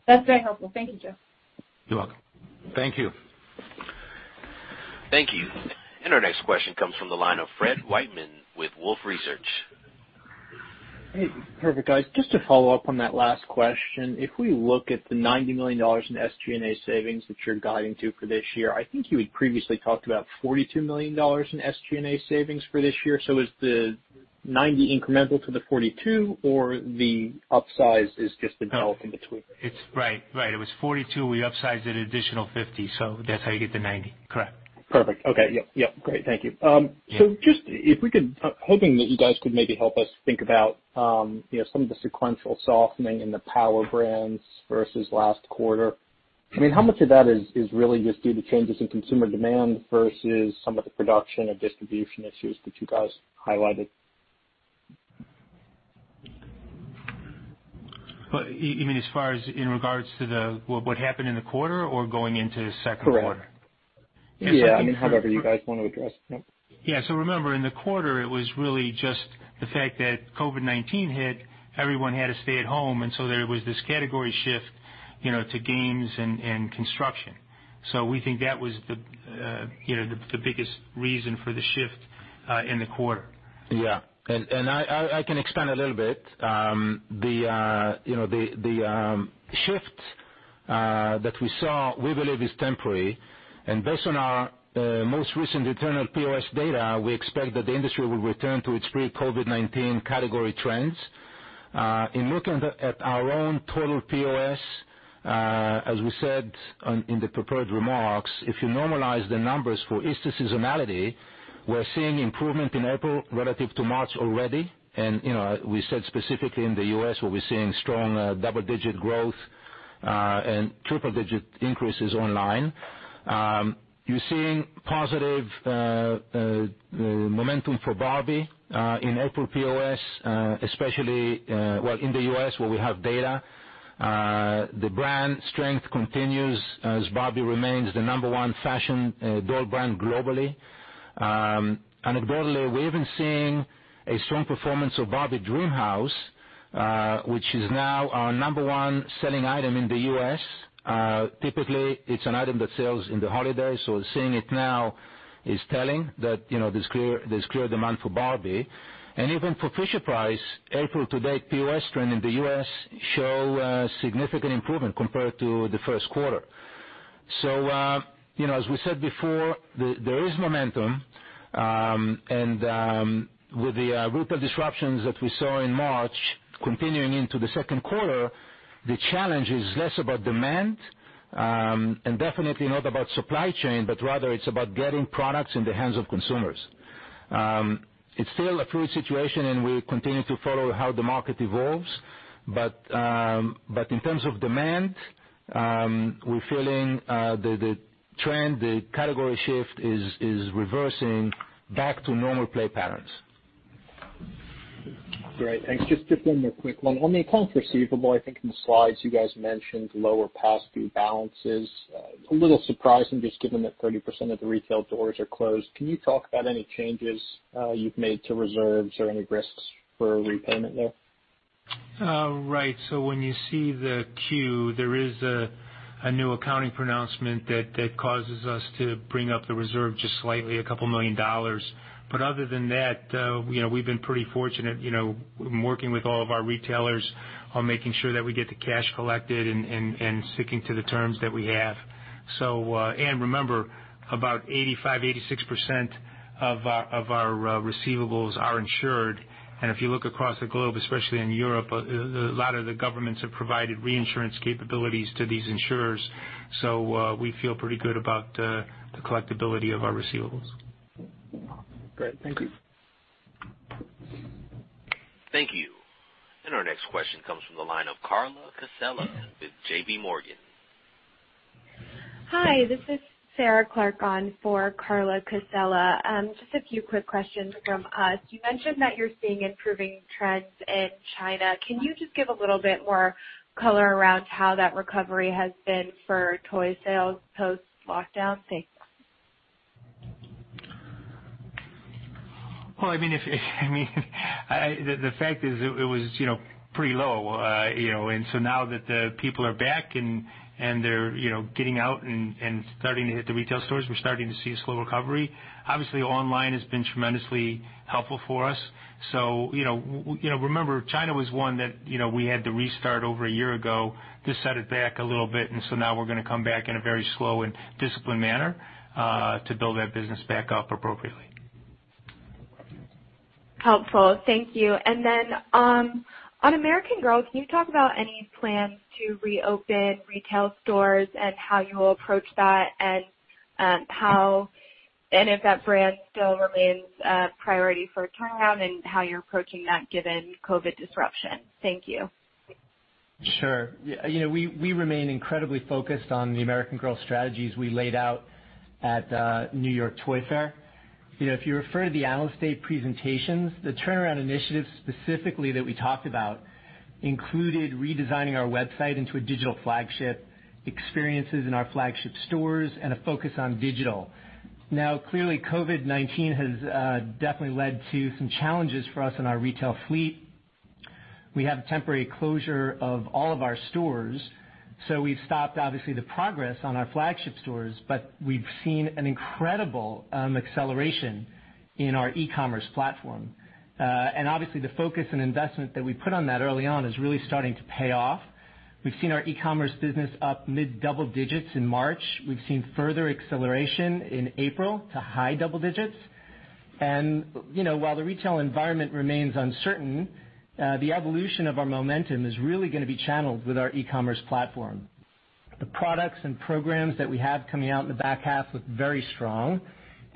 That's very helpful. Thank you, Joe.
You're welcome.
Thank you.
Thank you. Our next question comes from the line of Fred Wightman with Wolfe Research.
Hey. Perfect, guys. Just to follow up on that last question, if we look at the $90 million in SG&A savings that you're guiding to for this year, I think you had previously talked about $42 million in SG&A savings for this year. Is the $90 million incremental to the $42 million, or the upsize is just the $12 million in between?
Right. It was $42 million. We upsized it an additional $50 million. That's how you get the $90 million. Correct.
Perfect. Okay. Yep. Yep. Great. Thank you. Just if we could, hoping that you guys could maybe help us think about some of the sequential softening in the power brands versus last quarter. I mean, how much of that is really just due to changes in consumer demand versus some of the production and distribution issues that you guys highlighted?
You mean as far as in regards to what happened in the quarter or going into the second quarter?
Correct. Yeah. I mean, however you guys want to address it.
Yep. Remember, in the quarter, it was really just the fact that COVID-19 hit. Everyone had to stay at home. There was this category shift to games and construction. We think that was the biggest reason for the shift in the quarter.
Yeah. I can expand a little bit. The shift that we saw, we believe, is temporary. Based on our most recent internal POS data, we expect that the industry will return to its pre-COVID-19 category trends. In looking at our own total POS, as we said in the prepared remarks, if you normalize the numbers for Easter seasonality, we're seeing improvement in April relative to March already. We said specifically in the U.S., we're seeing strong double-digit growth and triple-digit increases online. You're seeing positive momentum for Barbie in April POS, especially in the U.S. where we have data. The brand strength continues as Barbie remains the number one fashion doll brand globally. Anecdotally, we've been seeing a strong performance of Barbie Dreamhouse, which is now our number one selling item in the U.S. Typically, it's an item that sells in the holidays. Seeing it now is telling that there's clear demand for Barbie. Even for Fisher-Price, April-to-date POS trend in the U.S. shows significant improvement compared to the first quarter. As we said before, there is momentum. With the retail disruptions that we saw in March continuing into the second quarter, the challenge is less about demand and definitely not about supply chain, but rather it's about getting products in the hands of consumers. It is still a fluid situation, and we continue to follow how the market evolves. In terms of demand, we're feeling the trend, the category shift is reversing back to normal play patterns.
Great. Thanks. Just one more quick one. On the accounts receivable, I think in the slides, you guys mentioned lower past due balances. A little surprising just given that 30% of the retail doors are closed. Can you talk about any changes you've made to reserves or any risks for repayment there?
Right. When you see the 10-Q, there is a new accounting pronouncement that causes us to bring up the reserve just slightly, a couple million dollars. Other than that, we've been pretty fortunate. We're working with all of our retailers on making sure that we get the cash collected and sticking to the terms that we have. Remember, about 85%-86% of our receivables are insured. If you look across the globe, especially in Europe, a lot of the governments have provided reinsurance capabilities to these insurers. We feel pretty good about the collectability of our receivables.
Great. Thank you.
Thank you. Our next question comes from the line of Carla Casella with JPMorgan.
Hi. This is Sarah Clark on for Carla Casella. Just a few quick questions from us. You mentioned that you're seeing improving trends in China. Can you just give a little bit more color around how that recovery has been for toy sales post-lockdown? Thanks.
I mean, the fact is it was pretty low. Now that people are back and they are getting out and starting to hit the retail stores, we are starting to see a slow recovery. Obviously, online has been tremendously helpful for us. Remember, China was one that we had to restart over a year ago. This set it back a little bit. Now we are going to come back in a very slow and disciplined manner to build that business back up appropriately.
Helpful. Thank you. Then on American Girl, can you talk about any plans to reopen retail stores and how you will approach that and if that brand still remains a priority for turnaround and how you are approaching that given COVID disruption? Thank you.
Sure. We remain incredibly focused on the American Girl growth strategies we laid out at New York Toy Fair. If you refer to the Analyst Day presentations, the turnaround initiatives specifically that we talked about included redesigning our website into a digital flagship, experiences in our flagship stores, and a focus on digital. Now, clearly, COVID-19 has definitely led to some challenges for us in our retail fleet. We have temporary closure of all of our stores. We have stopped, obviously, the progress on our flagship stores, but we have seen an incredible acceleration in our e-commerce platform. Obviously, the focus and investment that we put on that early on is really starting to pay off. We have seen our e-commerce business up mid-double digits in March. We have seen further acceleration in April to high double digits. While the retail environment remains uncertain, the evolution of our momentum is really going to be channeled with our e-commerce platform. The products and programs that we have coming out in the back half look very strong.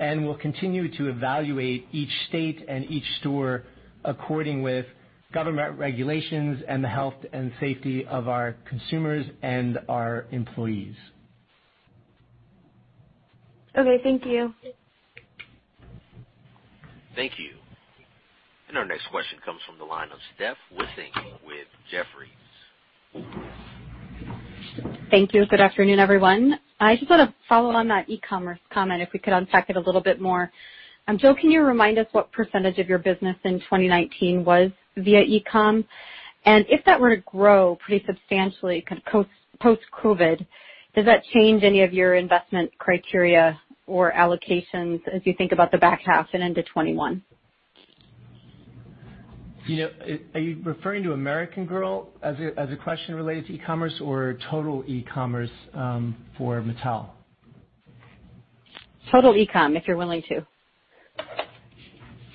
We will continue to evaluate each state and each store according with government regulations and the health and safety of our consumers and our employees.
Thank you. Thank you. Our next question comes from the line of Steph Wissink with Jefferies.
Thank you. Good afternoon, everyone. I just want to follow on that e-commerce comment if we could unpack it a little bit more. Joe, can you remind us what percentage of your business in 2019 was via e-com? If that were to grow pretty substantially post-COVID, does that change any of your investment criteria or allocations as you think about the back half and into 2021?
Are you referring to American Girl as a question related to e-commerce or total e-commerce for Mattel?
Total e-com, if you're willing to.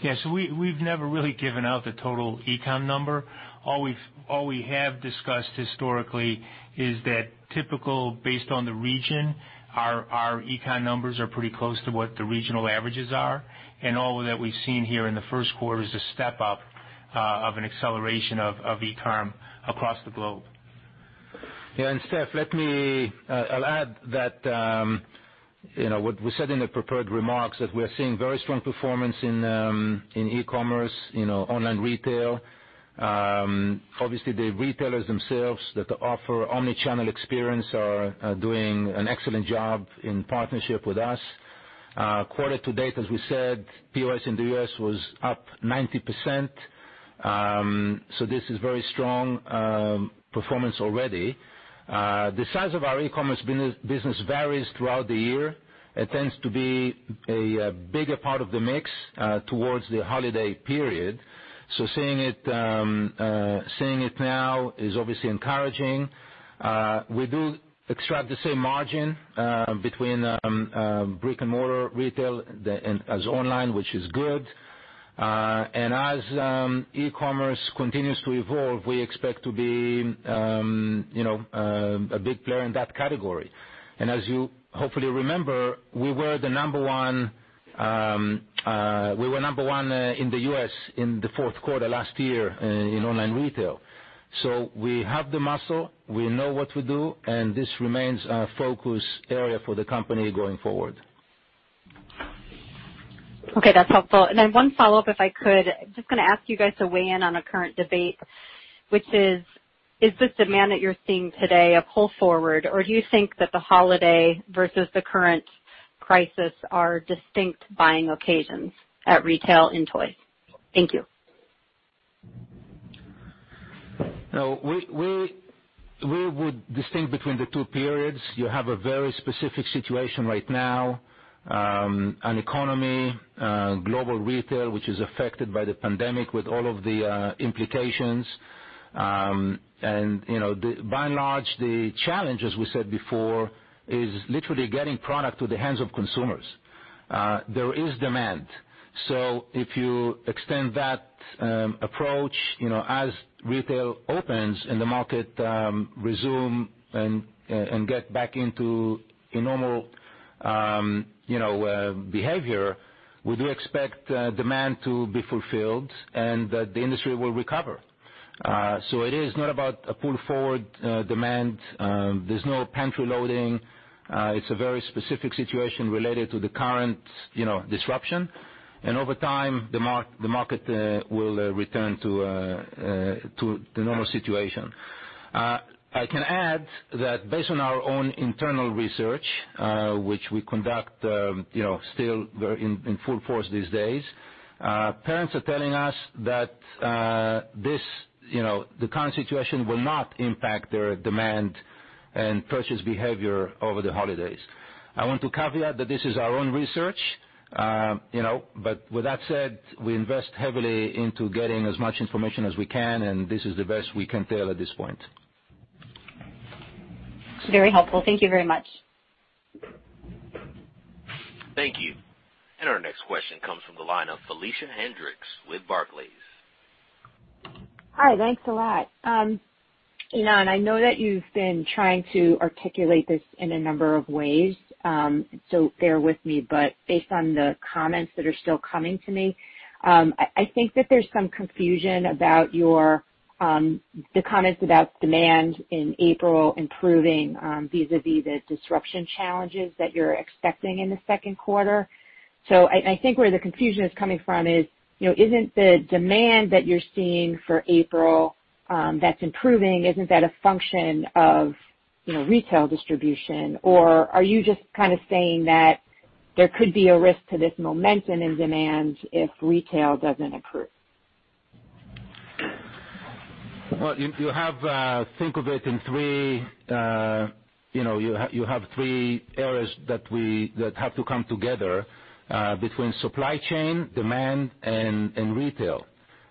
Yeah. We've never really given out the total e-com number. All we have discussed historically is that, typically, based on the region, our e-com numbers are pretty close to what the regional averages are. All that we've seen here in the first quarter is a step-up of an acceleration of e-com across the globe.
Yeah. Steph, I'll add that what we said in the prepared remarks is that we're seeing very strong performance in e-commerce, online retail. Obviously, the retailers themselves that offer omnichannel experience are doing an excellent job in partnership with us. Quarter-to-date, as we said, POS in the U.S. was up 90%. This is very strong performance already. The size of our e-commerce business varies throughout the year. It tends to be a bigger part of the mix towards the holiday period. Seeing it now is obviously encouraging. We do extract the same margin between brick-and-mortar retail as online, which is good. As e-commerce continues to evolve, we expect to be a big player in that category. As you hopefully remember, we were number one in the U.S. in the fourth quarter last year in online retail. We have the muscle. We know what to do. This remains a focus area for the company going forward.
Okay. That's helpful. One follow-up, if I could. I'm just going to ask you guys to weigh in on a current debate, which is, is the demand that you're seeing today a pull forward, or do you think that the holiday versus the current crisis are distinct buying occasions at retail in toys? Thank you.
We would distinguish between the two periods. You have a very specific situation right now. An economy, global retail, which is affected by the pandemic with all of the implications. By and large, the challenge, as we said before, is literally getting product to the hands of consumers. There is demand. If you extend that approach, as retail opens and the market resumes and gets back into normal behavior, we do expect demand to be fulfilled and that the industry will recover. It is not about a pull-forward demand. There's no pantry loading. It's a very specific situation related to the current disruption. Over time, the market will return to the normal situation. I can add that based on our own internal research, which we conduct still in full force these days, parents are telling us that the current situation will not impact their demand and purchase behavior over the holidays. I want to caveat that this is our own research. With that said, we invest heavily into getting as much information as we can, and this is the best we can tell at this point.
Very helpful. Thank you very much.
Thank you. Our next question comes from the line of Felicia Hendrix with Barclays.
Hi. Thanks a lot. Ynon, I know that you've been trying to articulate this in a number of ways, so bear with me. Based on the comments that are still coming to me, I think that there's some confusion about the comments about demand in April improving vis-à-vis the disruption challenges that you're expecting in the second quarter. I think where the confusion is coming from is, isn't the demand that you're seeing for April that's improving, isn't that a function of retail distribution? Are you just kind of saying that there could be a risk to this momentum in demand if retail doesn't improve?
You have to think of it in three, you have three areas that have to come together between supply chain, demand, and retail.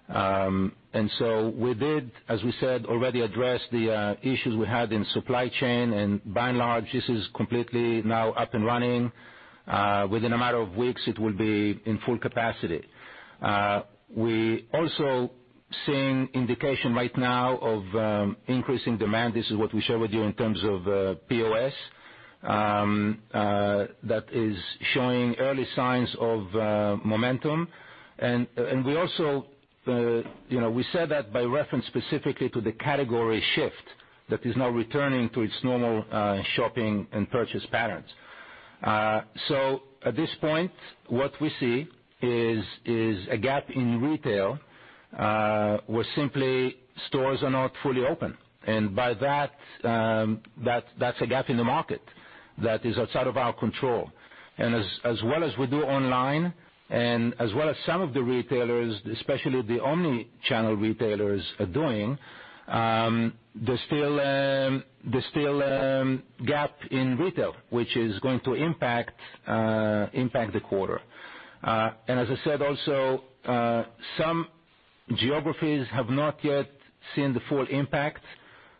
We did, as we said, already address the issues we had in supply chain. By and large, this is completely now up and running. Within a matter of weeks, it will be in full capacity. We are also seeing indication right now of increasing demand. This is what we share with you in terms of POS that is showing early signs of momentum. We also said that by reference specifically to the category shift that is now returning to its normal shopping and purchase patterns. At this point, what we see is a gap in retail where simply stores are not fully open. By that, that's a gap in the market that is outside of our control. As well as we do online and as well as some of the retailers, especially the omnichannel retailers are doing, there's still a gap in retail, which is going to impact the quarter. As I said, also, some geographies have not yet seen the full impact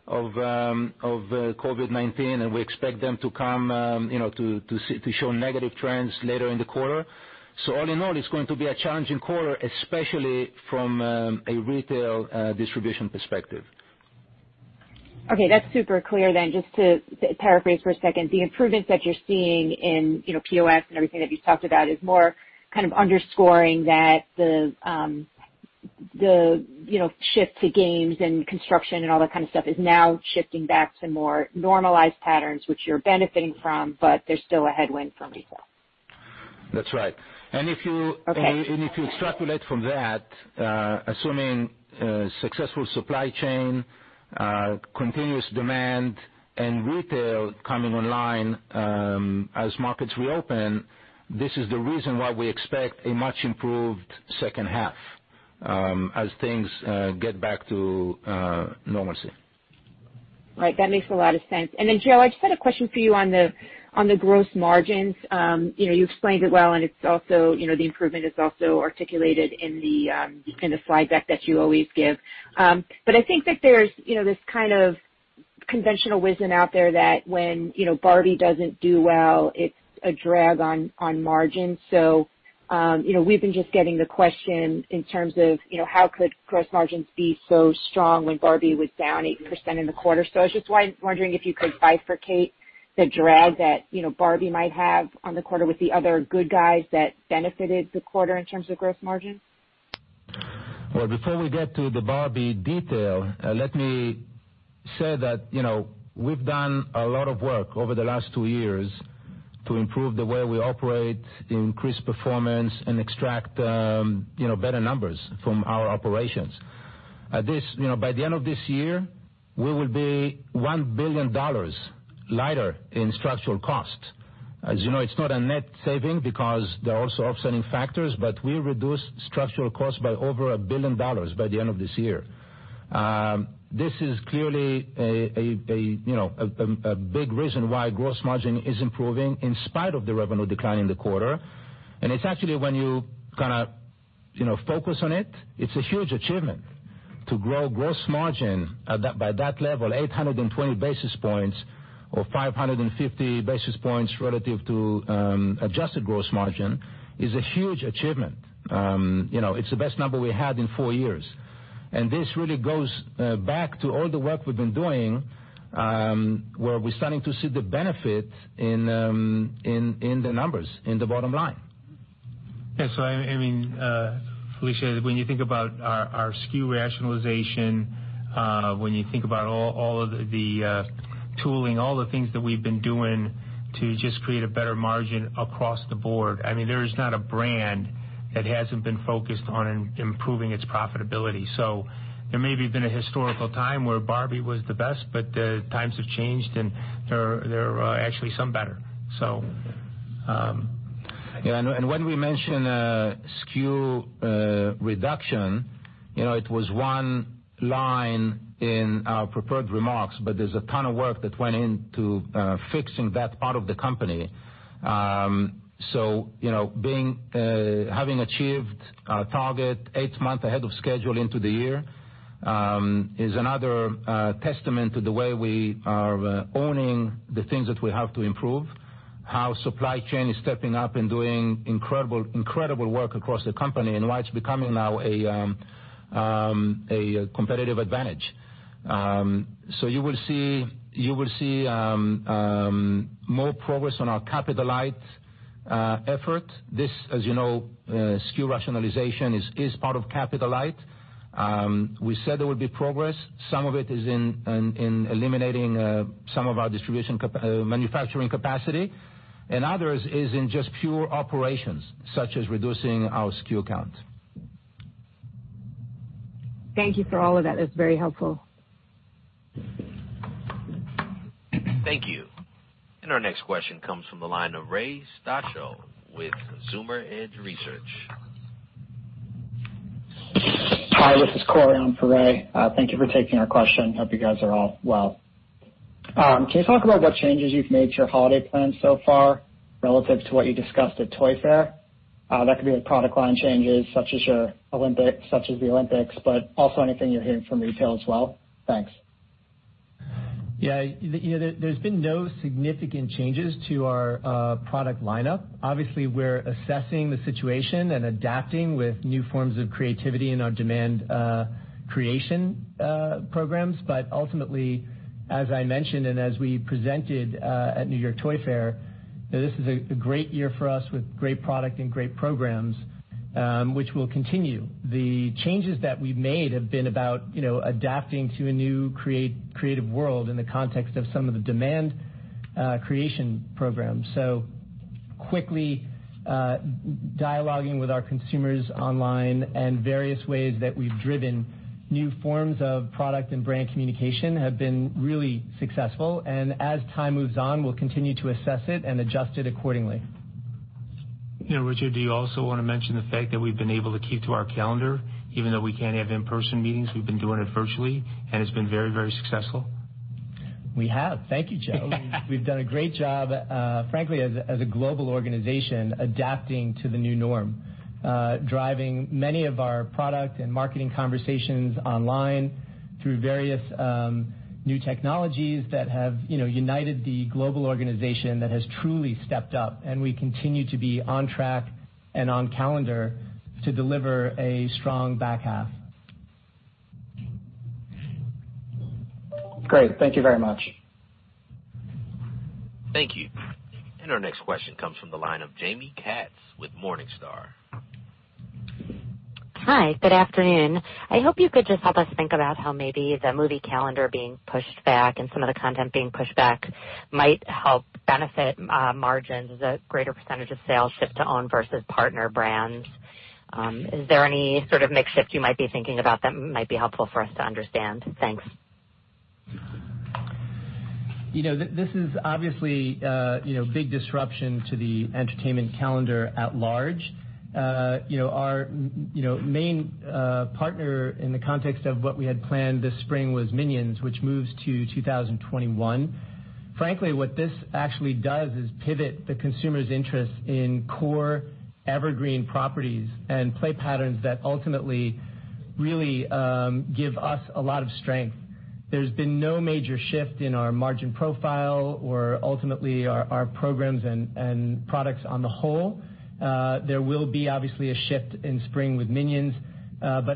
of COVID-19, and we expect them to come to show negative trends later in the quarter. All in all, it's going to be a challenging quarter, especially from a retail distribution perspective.
Okay. That's super clear then. Just to paraphrase for a second, the improvements that you're seeing in POS and everything that you've talked about is more kind of underscoring that the shift to games and construction and all that kind of stuff is now shifting back to more normalized patterns, which you're benefiting from, but there's still a headwind from retail?
That's right. If you extrapolate from that, assuming successful supply chain, continuous demand, and retail coming online as markets reopen, this is the reason why we expect a much improved second half as things get back to normalcy.
Right. That makes a lot of sense. Joe, I just had a question for you on the gross margins. You explained it well, and the improvement is also articulated in the slide deck that you always give. I think that there's this kind of conventional wisdom out there that when Barbie doesn't do well, it's a drag on margins. We've been just getting the question in terms of how could gross margins be so strong when Barbie was down 8% in the quarter. I was just wondering if you could bifurcate the drag that Barbie might have on the quarter with the other good guys that benefited the quarter in terms of gross margins.
Before we get to the Barbie detail, let me say that we've done a lot of work over the last two years to improve the way we operate, increase performance, and extract better numbers from our operations. By the end of this year, we will be $1 billion lighter in structural cost. As you know, it's not a net saving because there are also upselling factors, but we reduced structural cost by over a billion dollars by the end of this year. This is clearly a big reason why gross margin is improving in spite of the revenue decline in the quarter. It's actually when you kind of focus on it, it's a huge achievement to grow gross margin by that level, 820 basis points or 550 basis points relative to adjusted gross margin is a huge achievement. It's the best number we had in four years. This really goes back to all the work we've been doing where we're starting to see the benefit in the numbers in the bottom line.
Yeah. I mean, Felicia, when you think about our SKU rationalization, when you think about all of the tooling, all the things that we have been doing to just create a better margin across the board, I mean, there is not a brand that has not been focused on improving its profitability. There may have been a historical time where Barbie was the best, but the times have changed, and there are actually some better.
Yeah. When we mentioned SKU reduction, it was one line in our prepared remarks, but there is a ton of work that went into fixing that part of the company. Having achieved our target eight months ahead of schedule into the year is another testament to the way we are owning the things that we have to improve, how supply chain is stepping up and doing incredible work across the company and why it is becoming now a competitive advantage. You will see more progress on our Capital Light effort. This, as you know, SKU rationalization is part of Capital Light. We said there would be progress. Some of it is in eliminating some of our distribution manufacturing capacity, and others is in just pure operations, such as reducing our SKU count.
Thank you for all of that. That is very helpful.
Thank you. Our next question comes from the line of Ray Stochel with Consumer Edge Research.
Hi. This is Corey on for Ray. Thank you for taking our question. Hope you guys are all well. Can you talk about what changes you've made to your holiday plans so far relative to what you discussed at Toy Fair? That could be product line changes such as the Olympics, but also anything you're hearing from retail as well. Thanks.
Yeah. There's been no significant changes to our product lineup. Obviously, we're assessing the situation and adapting with new forms of creativity in our demand creation programs. Ultimately, as I mentioned and as we presented at New York Toy Fair, this is a great year for us with great product and great programs, which will continue. The changes that we've made have been about adapting to a new creative world in the context of some of the demand creation programs. Quickly dialoguing with our consumers online and various ways that we've driven new forms of product and brand communication have been really successful. As time moves on, we'll continue to assess it and adjust it accordingly.
Richard, do you also want to mention the fact that we've been able to keep to our calendar? Even though we can't have in-person meetings, we've been doing it virtually, and it's been very, very successful.
We have. Thank you, Joe. We've done a great job, frankly, as a global organization, adapting to the new norm, driving many of our product and marketing conversations online through various new technologies that have united the global organization that has truly stepped up. We continue to be on track and on calendar to deliver a strong back half.
Great. Thank you very much.
Thank you. Our next question comes from the line of Jamie Katz with Morningstar.
Hi. Good afternoon. I hope you could just help us think about how maybe the movie calendar being pushed back and some of the content being pushed back might help benefit margins as a greater percentage of sales shift to own versus partner brands. Is there any sort of mixed shift you might be thinking about that might be helpful for us to understand? Thanks.
This is obviously a big disruption to the entertainment calendar at large. Our main partner in the context of what we had planned this spring was Minions, which moves to 2021. Frankly, what this actually does is pivot the consumer's interest in core evergreen properties and play patterns that ultimately really give us a lot of strength. There's been no major shift in our margin profile or ultimately our programs and products on the whole. There will be, obviously, a shift in spring with Minions.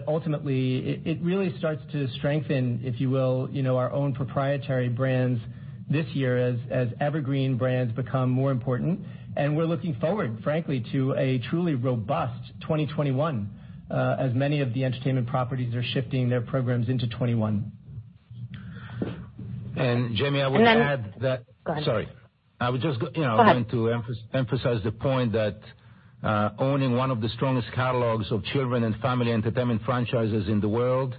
Ultimately, it really starts to strengthen, if you will, our own proprietary brands this year as evergreen brands become more important. We are looking forward, frankly, to a truly robust 2021 as many of the entertainment properties are shifting their programs into 2021.
Jamie, I would add that.
Go ahead.
Sorry. I would just go ahead to emphasize the point that owning one of the strongest catalogs of children and family entertainment franchises in the world,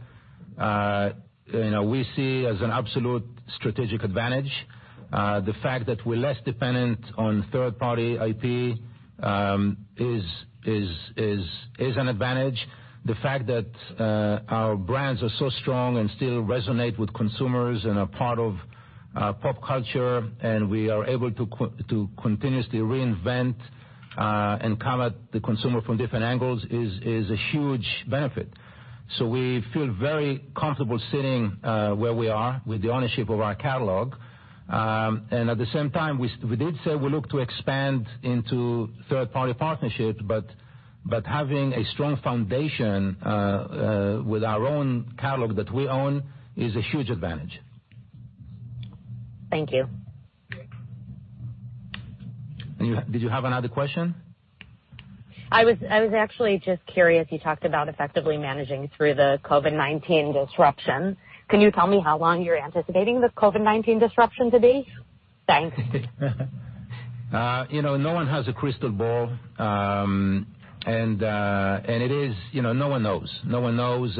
we see as an absolute strategic advantage. The fact that we are less dependent on third-party IP is an advantage. The fact that our brands are so strong and still resonate with consumers and are part of pop culture, and we are able to continuously reinvent and come at the consumer from different angles is a huge benefit. We feel very comfortable sitting where we are with the ownership of our catalog. At the same time, we did say we look to expand into third-party partnerships, but having a strong foundation with our own catalog that we own is a huge advantage.
Thank you.
Did you have another question?
I was actually just curious. You talked about effectively managing through the COVID-19 disruption. Can you tell me how long you're anticipating the COVID-19 disruption to be? Thanks.
No one has a crystal ball, and no one knows. No one knows.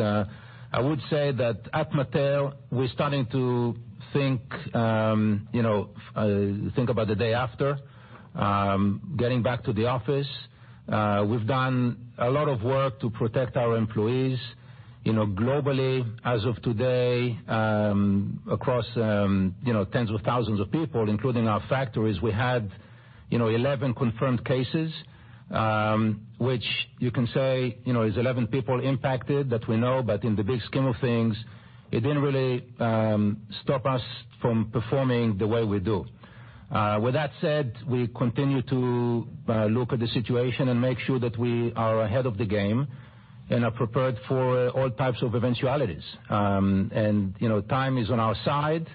I would say that at Mattel, we're starting to think about the day after, getting back to the office. We've done a lot of work to protect our employees. Globally, as of today, across tens of thousands of people, including our factories, we had 11 confirmed cases, which you can say is 11 people impacted that we know. In the big scheme of things, it didn't really stop us from performing the way we do. With that said, we continue to look at the situation and make sure that we are ahead of the game and are prepared for all types of eventualities. Time is on our side.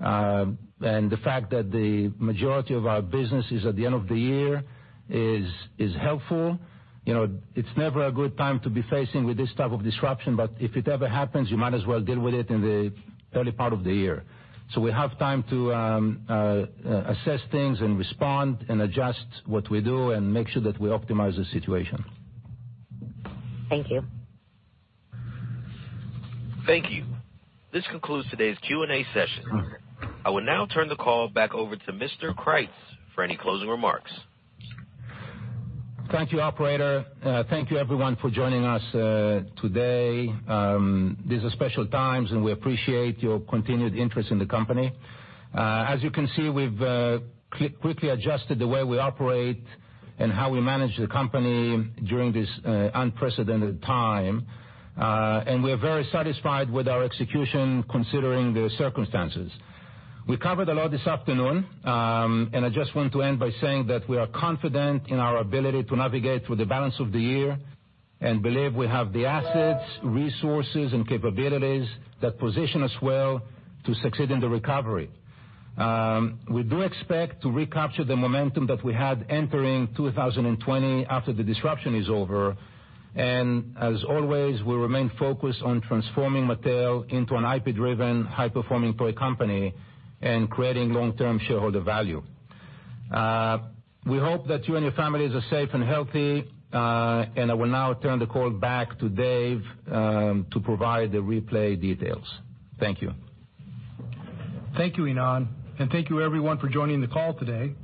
The fact that the majority of our business is at the end of the year is helpful. It's never a good time to be facing this type of disruption, but if it ever happens, you might as well deal with it in the early part of the year. We have time to assess things and respond and adjust what we do and make sure that we optimize the situation.
Thank you.
Thank you. This concludes today's Q&A session. I will now turn the call back over to Mr. Kreiz for any closing remarks.
Thank you, Operator. Thank you, everyone, for joining us today. These are special times, and we appreciate your continued interest in the company. As you can see, we've quickly adjusted the way we operate and how we manage the company during this unprecedented time. We are very satisfied with our execution considering the circumstances. We covered a lot this afternoon, and I just want to end by saying that we are confident in our ability to navigate through the balance of the year and believe we have the assets, resources, and capabilities that position us well to succeed in the recovery. We do expect to recapture the momentum that we had entering 2020 after the disruption is over. As always, we remain focused on transforming Mattel into an IP-driven, high-performing toy company and creating long-term shareholder value. We hope that you and your families are safe and healthy, and I will now turn the call back to Dave to provide the replay details. Thank you.
Thank you, Ynon. Thank you, everyone, for joining the call today.